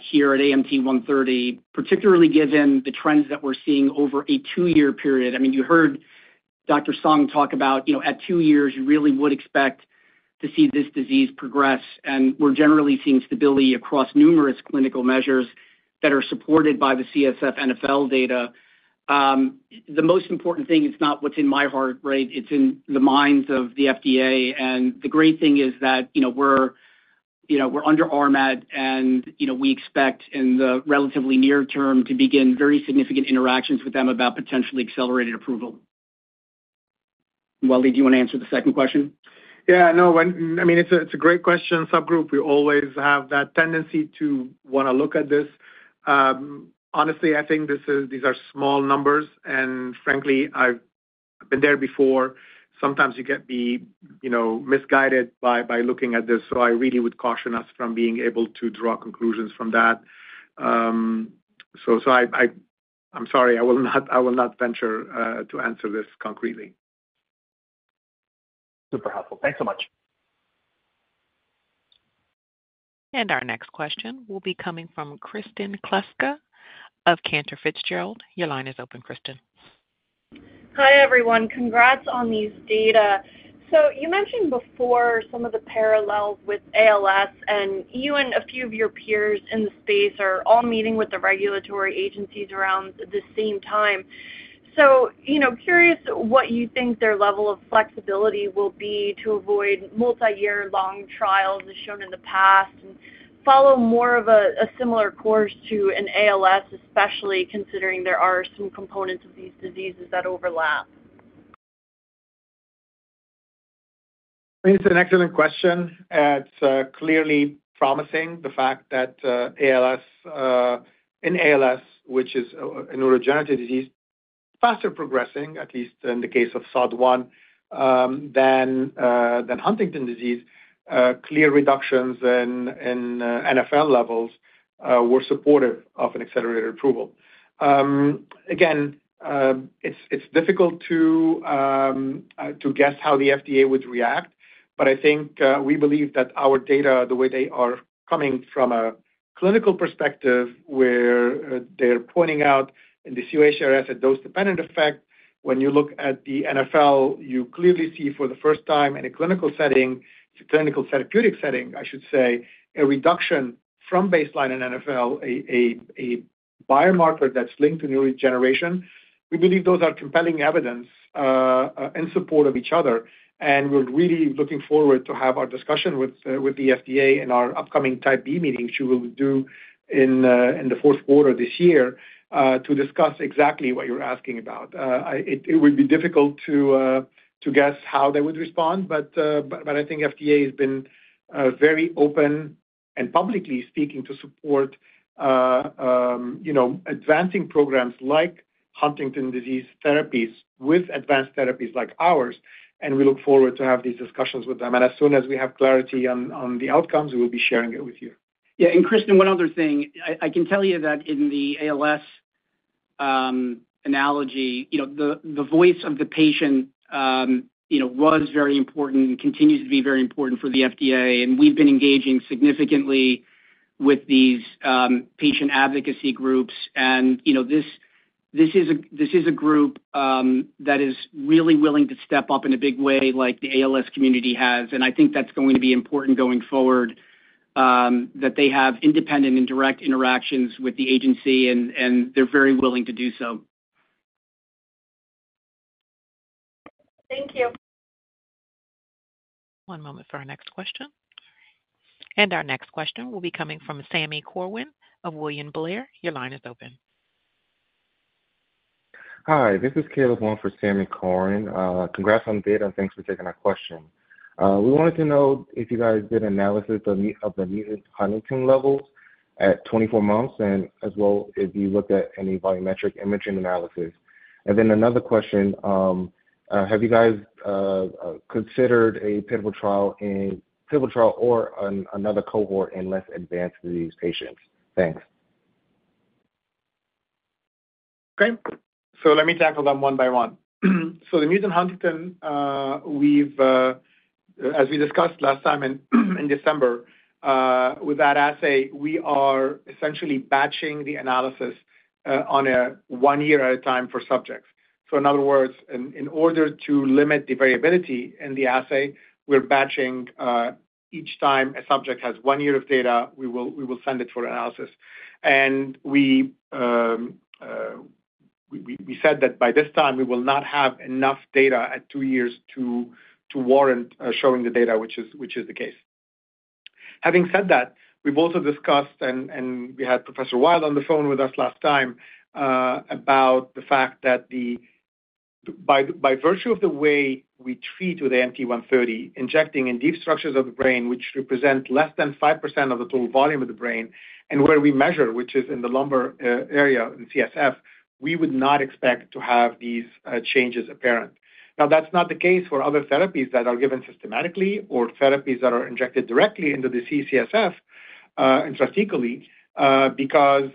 here at AMT-130, particularly given the trends that we're seeing over a two-year period. I mean, you heard Dr. Sung talk about, you know, at two years, you really would expect to see this disease progress, and we're generally seeing stability across numerous clinical measures that are supported by the CSF NfL data. The most important thing is not what's in my heart, right? It's in the minds of the FDA, and the great thing is that, you know, we're, you know, we're under RMAT, and, you know, we expect in the relatively near term to begin very significant interactions with them about potentially accelerated approval. Walid, do you wanna answer the second question? Yeah, no, when, I mean, it's a, it's a great question. Subgroup, we always have that tendency to wanna look at this. Honestly, I think this is, these are small numbers, and frankly, I've been there before. Sometimes you can be, you know, misguided by, by looking at this, so I really would caution us from being able to draw conclusions from that. So, I'm sorry, I will not, I will not venture to answer this concretely. Super helpful. Thanks so much. Our next question will be coming from Kristen Kluska of Cantor Fitzgerald. Your line is open, Kristen. Hi, everyone. Congrats on these data. So you mentioned before some of the parallels with ALS, and you and a few of your peers in the space are all meeting with the regulatory agencies around the same time. So, you know, curious what you think their level of flexibility will be to avoid multiyear long trials, as shown in the past, and follow more of a similar course to an ALS, especially considering there are some components of these diseases that overlap? It's an excellent question. It's clearly promising the fact that ALS... In ALS, which is a neurodegenerative disease, faster progressing, at least in the case of SOD1, than Huntington's disease, clear reductions in NfL levels were supportive of an accelerated approval. Again, it's difficult to guess how the FDA would react, but I think we believe that our data, the way they are coming from a clinical perspective, where they're pointing out in the cUHDRS a dose-dependent effect. When you look at the NfL, you clearly see for the first time in a clinical setting, a clinical therapeutic setting, I should say, a reduction from baseline in NfL, a biomarker that's linked to neurodegeneration. We believe those are compelling evidence in support of each other, and we're really looking forward to have our discussion with the FDA in our upcoming Type B meeting, which we will do in the fourth quarter this year, to discuss exactly what you're asking about. It would be difficult to guess how they would respond, but I think FDA has been very open and publicly speaking to support you know advancing programs like Huntington's disease therapies with advanced therapies like ours, and we look forward to have these discussions with them. And as soon as we have clarity on the outcomes, we'll be sharing it with you. Yeah, and Kristin, one other thing. I can tell you that in the ALS analogy, you know, the voice of the patient, you know, was very important and continues to be very important for the FDA, and we've been engaging significantly with these patient advocacy groups. And, you know, this is a group that is really willing to step up in a big way, like the ALS community has. And I think that's going to be important going forward, that they have independent and direct interactions with the agency, and they're very willing to do so. Thank you.... One moment for our next question. Our next question will be coming from Sami Corwin of William Blair. Your line is open. Hi, this is Caleb, calling for Sami Corwin. Congrats on the data, and thanks for taking our question. We wanted to know if you guys did analysis of the mutant huntingtin levels at 24 months, and as well, if you looked at any volumetric imaging analysis. Then another question, have you guys considered a pivotal trial or another cohort in less advanced disease patients? Thanks. Okay, so let me tackle them one by one. So the mutant huntingtin, we've, as we discussed last time in December, with that assay, we are essentially batching the analysis on a one year at a time for subjects. So in other words, in order to limit the variability in the assay, we're batching each time a subject has one year of data, we will send it for analysis. And we, we said that by this time, we will not have enough data at two years to warrant showing the data, which is the case. Having said that, we've also discussed, we had Professor Wild on the phone with us last time, about the fact that by virtue of the way we treat with the AMT-130, injecting in deep structures of the brain, which represent less than 5% of the total volume of the brain, and where we measure, which is in the lumbar area, in CSF, we would not expect to have these changes apparent. Now, that's not the case for other therapies that are given systematically or therapies that are injected directly into the CSF, intracerebrally, because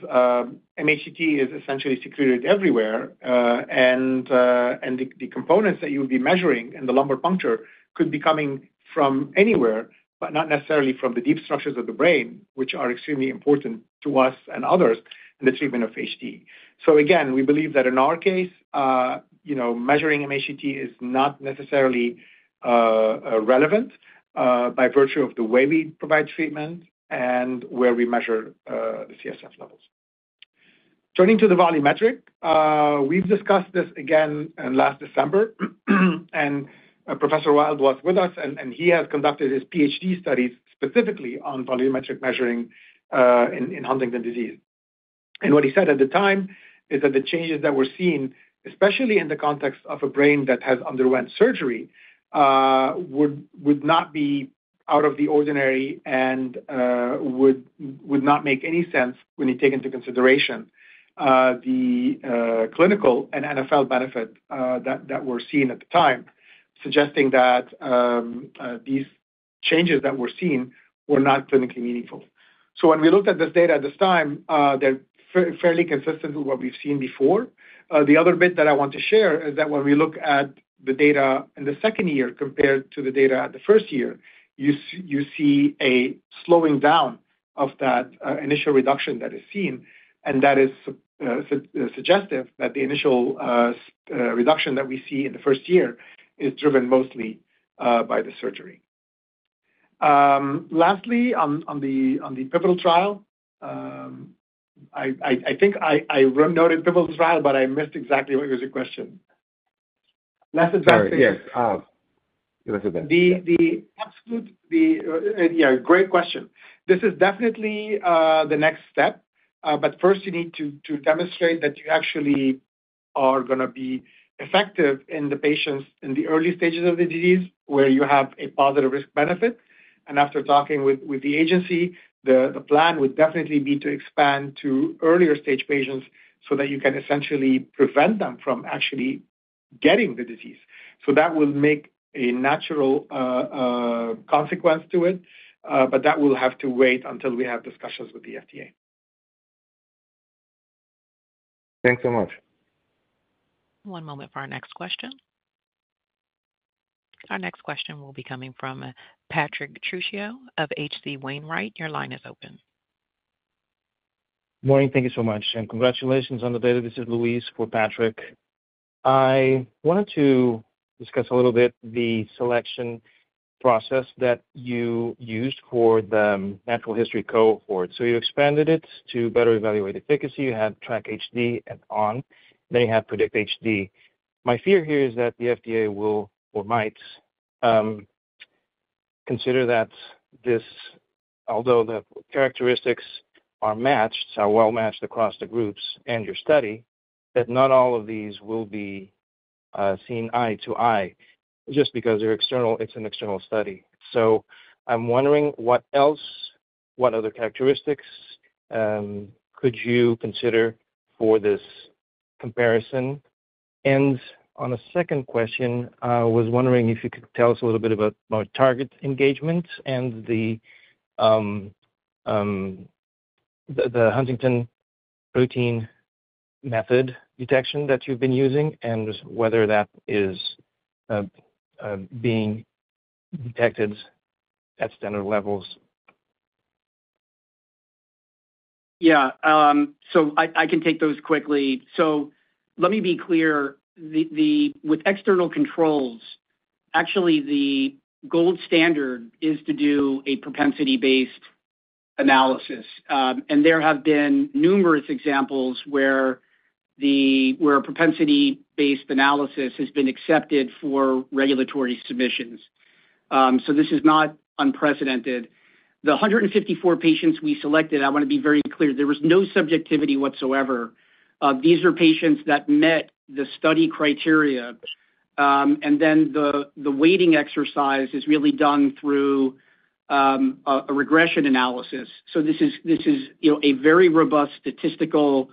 mHTT is essentially secreted everywhere, and the components that you'll be measuring in the lumbar puncture could be coming from anywhere, but not necessarily from the deep structures of the brain, which are extremely important to us and others in the treatment of HD. So again, we believe that in our case, you know, measuring mHTT is not necessarily relevant, by virtue of the way we provide treatment and where we measure the CSF levels. Turning to the volumetric, we've discussed this again in last December, and Professor Wild was with us, and he has conducted his PhD studies specifically on volumetric measuring in Huntington's disease. What he said at the time is that the changes that we're seeing, especially in the context of a brain that has underwent surgery, would not be out of the ordinary and would not make any sense when you take into consideration the clinical and NfL benefit that were seen at the time, suggesting that these changes that were seen were not clinically meaningful. When we looked at this data at this time, they're fairly consistent with what we've seen before. The other bit that I want to share is that when we look at the data in the second year compared to the data at the first year, you see a slowing down of that initial reduction that is seen, and that is suggestive that the initial reduction that we see in the first year is driven mostly by the surgery. Lastly, on the pivotal trial, I think I noted pivotal trial, but I missed exactly what was your question. Less advanced- Sorry, yes. Less advanced. Yeah, great question. This is definitely the next step, but first you need to demonstrate that you actually are gonna be effective in the patients in the early stages of the disease, where you have a positive risk benefit. And after talking with the agency, the plan would definitely be to expand to earlier stage patients so that you can essentially prevent them from actually getting the disease. So that will make a natural consequence to it, but that will have to wait until we have discussions with the FDA. Thanks so much. One moment for our next question. Our next question will be coming from Patrick Trucchio of H.C. Wainwright. Your line is open. Morning. Thank you so much, and congratulations on the data. This is Luis for Patrick. I wanted to discuss a little bit the selection process that you used for the natural history cohort. So you expanded it to better evaluate efficacy. You had TRACK-HD and ON, then you have PREDICT-HD. My fear here is that the FDA will or might consider that this, although the characteristics are matched, are well matched across the groups and your study, that not all of these will be seen eye to eye just because they're external, it's an external study. So I'm wondering what else, what other characteristics could you consider for this comparison? On a second question, I was wondering if you could tell us a little bit about target engagement and the huntington protein method detection that you've been using and whether that is being detected at standard levels? Yeah, so I can take those quickly. So let me be clear, the-- with external controls, actually, the gold standard is to do a propensity-based analysis. And there have been numerous examples where a propensity-based analysis has been accepted for regulatory submissions. So this is not unprecedented. The 154 patients we selected, I want to be very clear, there was no subjectivity whatsoever. These are patients that met the study criteria, and then the weighting exercise is really done through a regression analysis. So this is, you know, a very robust statistical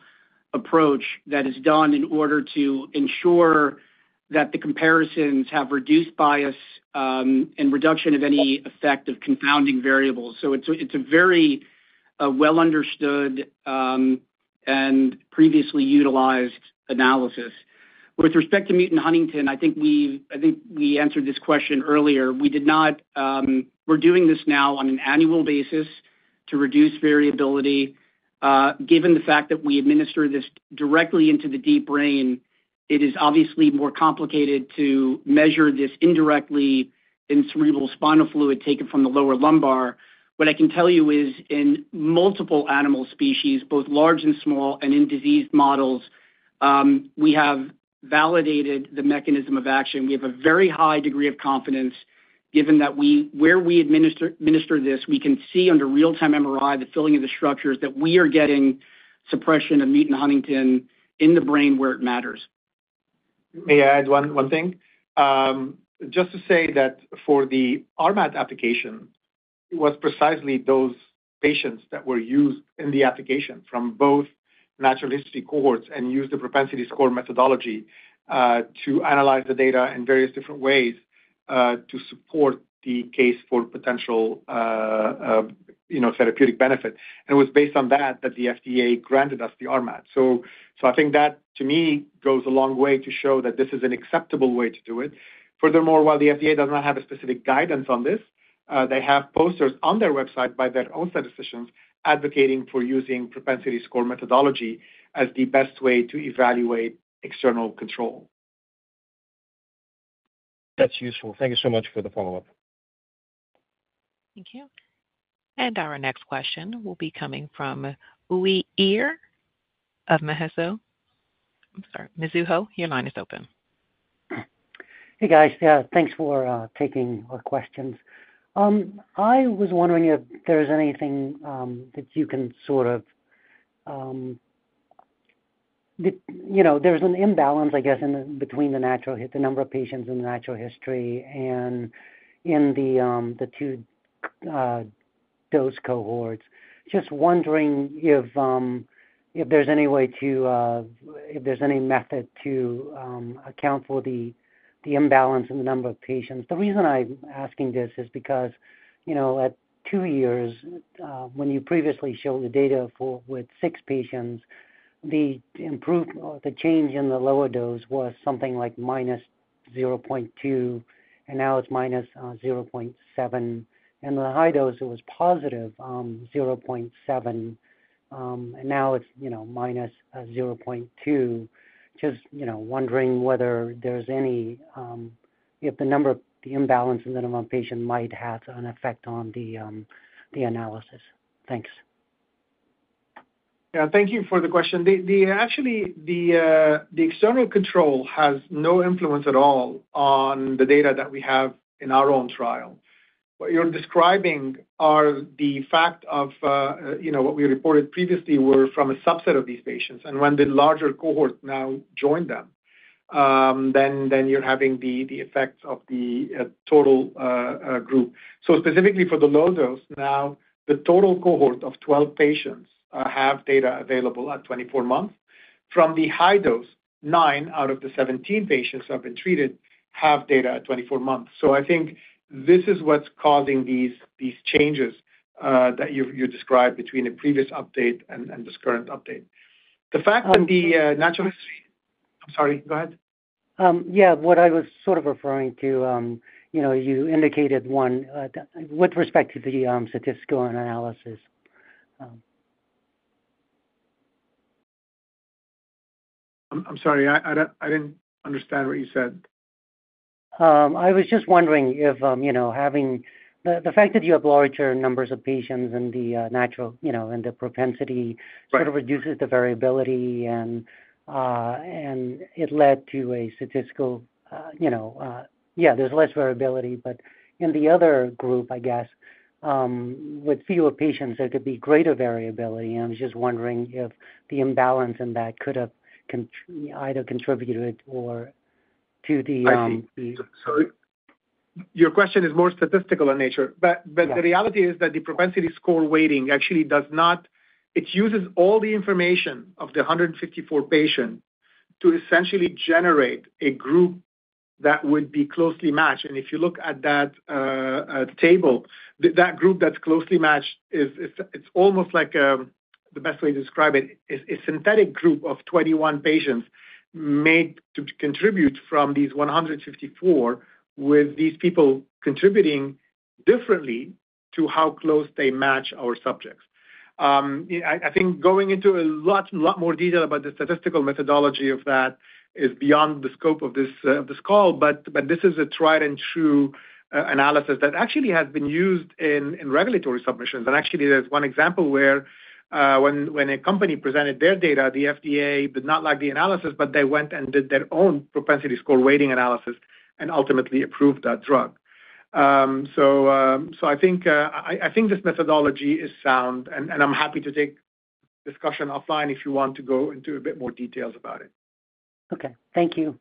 approach that is done in order to ensure that the comparisons have reduced bias, and reduction of any effect of confounding variables. So it's a very well understood and previously utilized analysis. With respect to mutant huntingtin, I think we, I think we answered this question earlier. We did not. We're doing this now on an annual basis to reduce variability. Given the fact that we administer this directly into the deep brain, it is obviously more complicated to measure this indirectly in cerebrospinal fluid taken from the lower lumbar. What I can tell you is, in multiple animal species, both large and small, and in diseased models, we have validated the mechanism of action. We have a very high degree of confidence given that where we administer this, we can see under real-time MRI, the filling of the structures, that we are getting suppression of mutant huntingtin in the brain where it matters. May I add one thing? Just to say that for the RMAT application, it was precisely those patients that were used in the application from both natural history cohorts and used the propensity score methodology to analyze the data in various different ways to support the case for potential, you know, therapeutic benefit. And it was based on that that the FDA granted us the RMAT. So, I think that, to me, goes a long way to show that this is an acceptable way to do it. Furthermore, while the FDA does not have a specific guidance on this, they have posters on their website by their own statisticians, advocating for using propensity score methodology as the best way to evaluate external control. That's useful. Thank you so much for the follow-up. Thank you. Our next question will be coming from Uy Ear of Mizuho. I'm sorry, Mizuho, your line is open. Hey, guys. Yeah, thanks for taking our questions. I was wondering if there is anything that you can sort of, you know, there's an imbalance, I guess, between the number of patients in the natural history and in the two dose cohorts. Just wondering if there's any way to, if there's any method to account for the imbalance in the number of patients. The reason I'm asking this is because, you know, at 2 years, when you previously showed the data for with 6 patients, the change in the lower dose was something like -0.2, and now it's -0.7, and the high dose, it was +0.7, and now it's, you know, -0.2. Just, you know, wondering whether there's any, if the number of the imbalance in the number of patients might have an effect on the analysis? Thanks. Yeah, thank you for the question. Actually, the external control has no influence at all on the data that we have in our own trial. What you're describing are the fact of, you know, what we reported previously were from a subset of these patients. And when the larger cohort now joined them, then you're having the effects of the total group. So specifically for the low dose, now, the total cohort of 12 patients have data available at 24 months. From the high dose, 9 out of the 17 patients have been treated, have data at 24 months. So I think this is what's causing these changes that you've described between the previous update and this current update. The fact that the natural history... I'm sorry, go ahead. Yeah. What I was sort of referring to, you know, you indicated one, with respect to the statistical analysis. I'm sorry, I didn't understand what you said. I was just wondering if, you know, having the, the fact that you have larger numbers of patients than the, natural, you know, and the propensity- Right sort of reduces the variability and it led to a statistical, you know, yeah, there's less variability. But in the other group, I guess, with fewer patients, there could be greater variability, and I was just wondering if the imbalance in that could have either contributed or to the, the- I see. So your question is more statistical in nature, but- Yeah... but the reality is that the propensity score weighting actually does not. It uses all the information of the 154 patients to essentially generate a group that would be closely matched. And if you look at that table, that group that's closely matched, it's almost like the best way to describe it is a synthetic group of 21 patients made to contribute from these 154, with these people contributing differently to how close they match our subjects. Yeah, I think going into a lot more detail about the statistical methodology of that is beyond the scope of this call, but this is a tried and true analysis that actually has been used in regulatory submissions. Actually, there's one example where, when a company presented their data, the FDA did not like the analysis, but they went and did their own propensity score weighting analysis and ultimately approved that drug. So I think this methodology is sound, and I'm happy to take discussion offline if you want to go into a bit more details about it. Okay, thank you.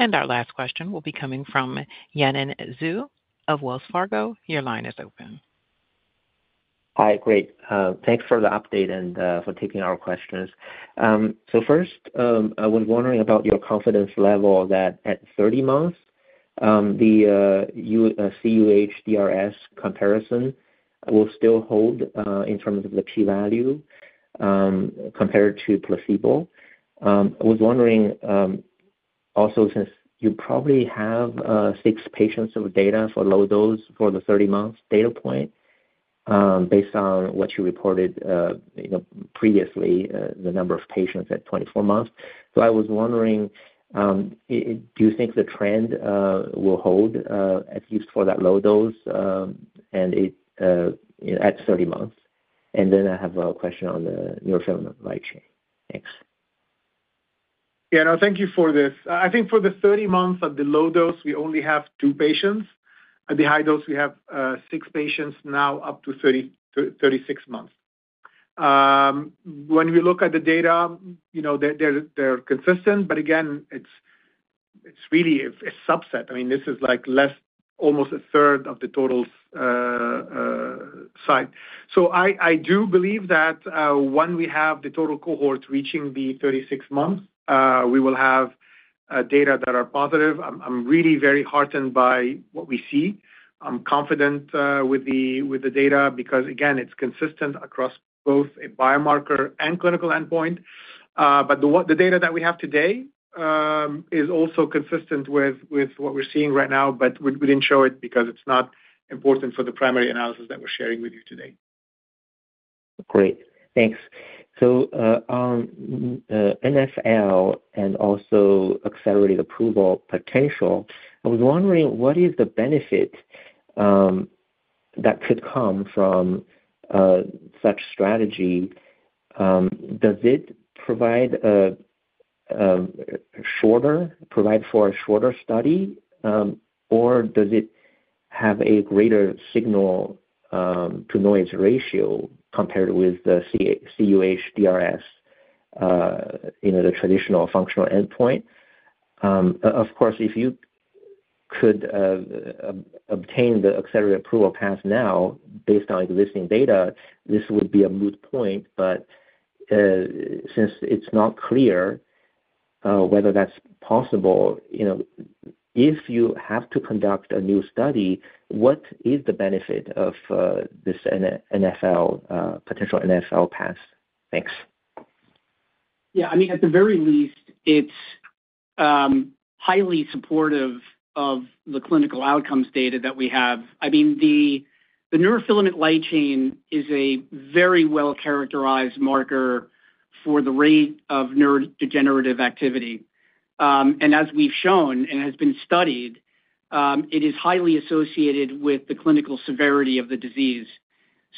Our last question will be coming from Yanan Zhu of Wells Fargo. Your line is open. Hi, great. Thanks for the update and for taking our questions. So first, I was wondering about your confidence level that at 30 months, the cUHDRS comparison will still hold, in terms of the p value, compared to placebo. I was wondering, also, since you probably have six patients of data for low dose for the 30-month data point, based on what you reported, you know, previously, the number of patients at 24 months. So I was wondering, do you think the trend will hold, at least for that low dose, and it at 30 months? And then I have a question on the neurofilament light chain. Thanks. Yeah, no, thank you for this. I think for the 30 months at the low dose, we only have 2 patients. At the high dose, we have 6 patients now up to 36 months. When we look at the data, you know, they're consistent, but again, it's really a subset. I mean, this is like less almost a third of the total site. So I do believe that when we have the total cohort reaching the 36 months, we will have data that are positive. I'm really very heartened by what we see. I'm confident with the data, because again, it's consistent across both a biomarker and clinical endpoint. But the data that we have today is also consistent with what we're seeing right now, but we didn't show it because it's not important for the primary analysis that we're sharing with you today. Great. Thanks. So, NfL and also accelerated approval potential, I was wondering, what is the benefit that could come from such strategy? Does it provide for a shorter study, or does it have a greater signal to noise ratio compared with the cUHDRS, you know, the traditional functional endpoint? Of course, if you could obtain the accelerated approval path now, based on existing data, this would be a moot point. But, since it's not clear whether that's possible, you know, if you have to conduct a new study, what is the benefit of this NfL potential NfL path? Thanks. Yeah, I mean, at the very least, it's highly supportive of the clinical outcomes data that we have. I mean, the neurofilament light chain is a very well-characterized marker for the rate of neurodegenerative activity. And as we've shown, and has been studied, it is highly associated with the clinical severity of the disease.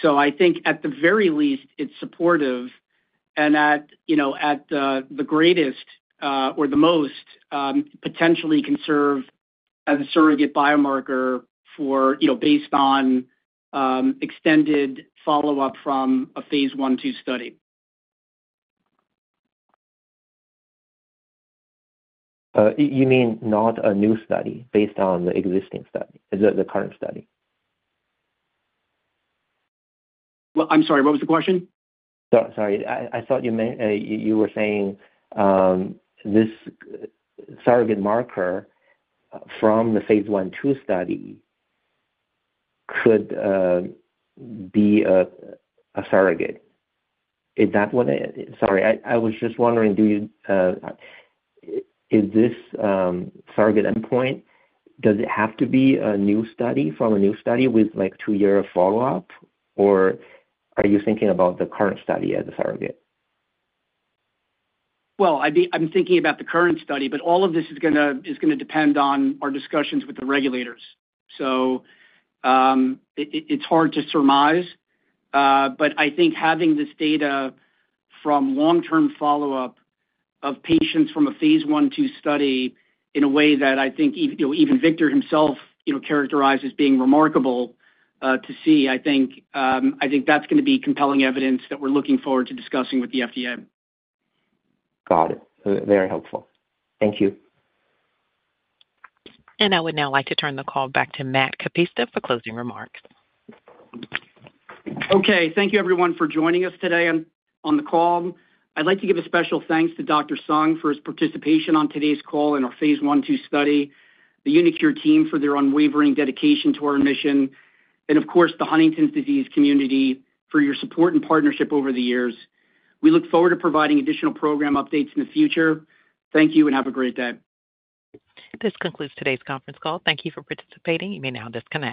So I think at the very least, it's supportive, and at, you know, at, the greatest, or the most, potentially can serve as a surrogate biomarker for, you know, based on, extended follow-up from a phase 1/2 study. You mean not a new study based on the existing study, the current study? Well, I'm sorry, what was the question? Sorry, I thought you were saying this surrogate marker from the phase 1/2 study could be a surrogate. Is that what it... Sorry, I was just wondering, is this surrogate endpoint? Does it have to be a new study from a new study with like 2-year follow-up, or are you thinking about the current study as a surrogate? Well, I'm thinking about the current study, but all of this is gonna depend on our discussions with the regulators. So, it, it's hard to surmise. But I think having this data from long-term follow-up of patients from a Phase 1/2 study in a way that I think you know, even Victor himself, you know, characterized as being remarkable to see, I think, I think that's gonna be compelling evidence that we're looking forward to discussing with the FDA. Got it. Very helpful. Thank you. I would now like to turn the call back to Matt Kapusta for closing remarks. Okay, thank you everyone for joining us today on the call. I'd like to give a special thanks to Dr. Sung for his participation on today's call and our Phase 1/2 study, the uniQure team for their unwavering dedication to our mission, and of course, the Huntington's disease community for your support and partnership over the years. We look forward to providing additional program updates in the future. Thank you, and have a great day. This concludes today's conference call. Thank you for participating. You may now disconnect.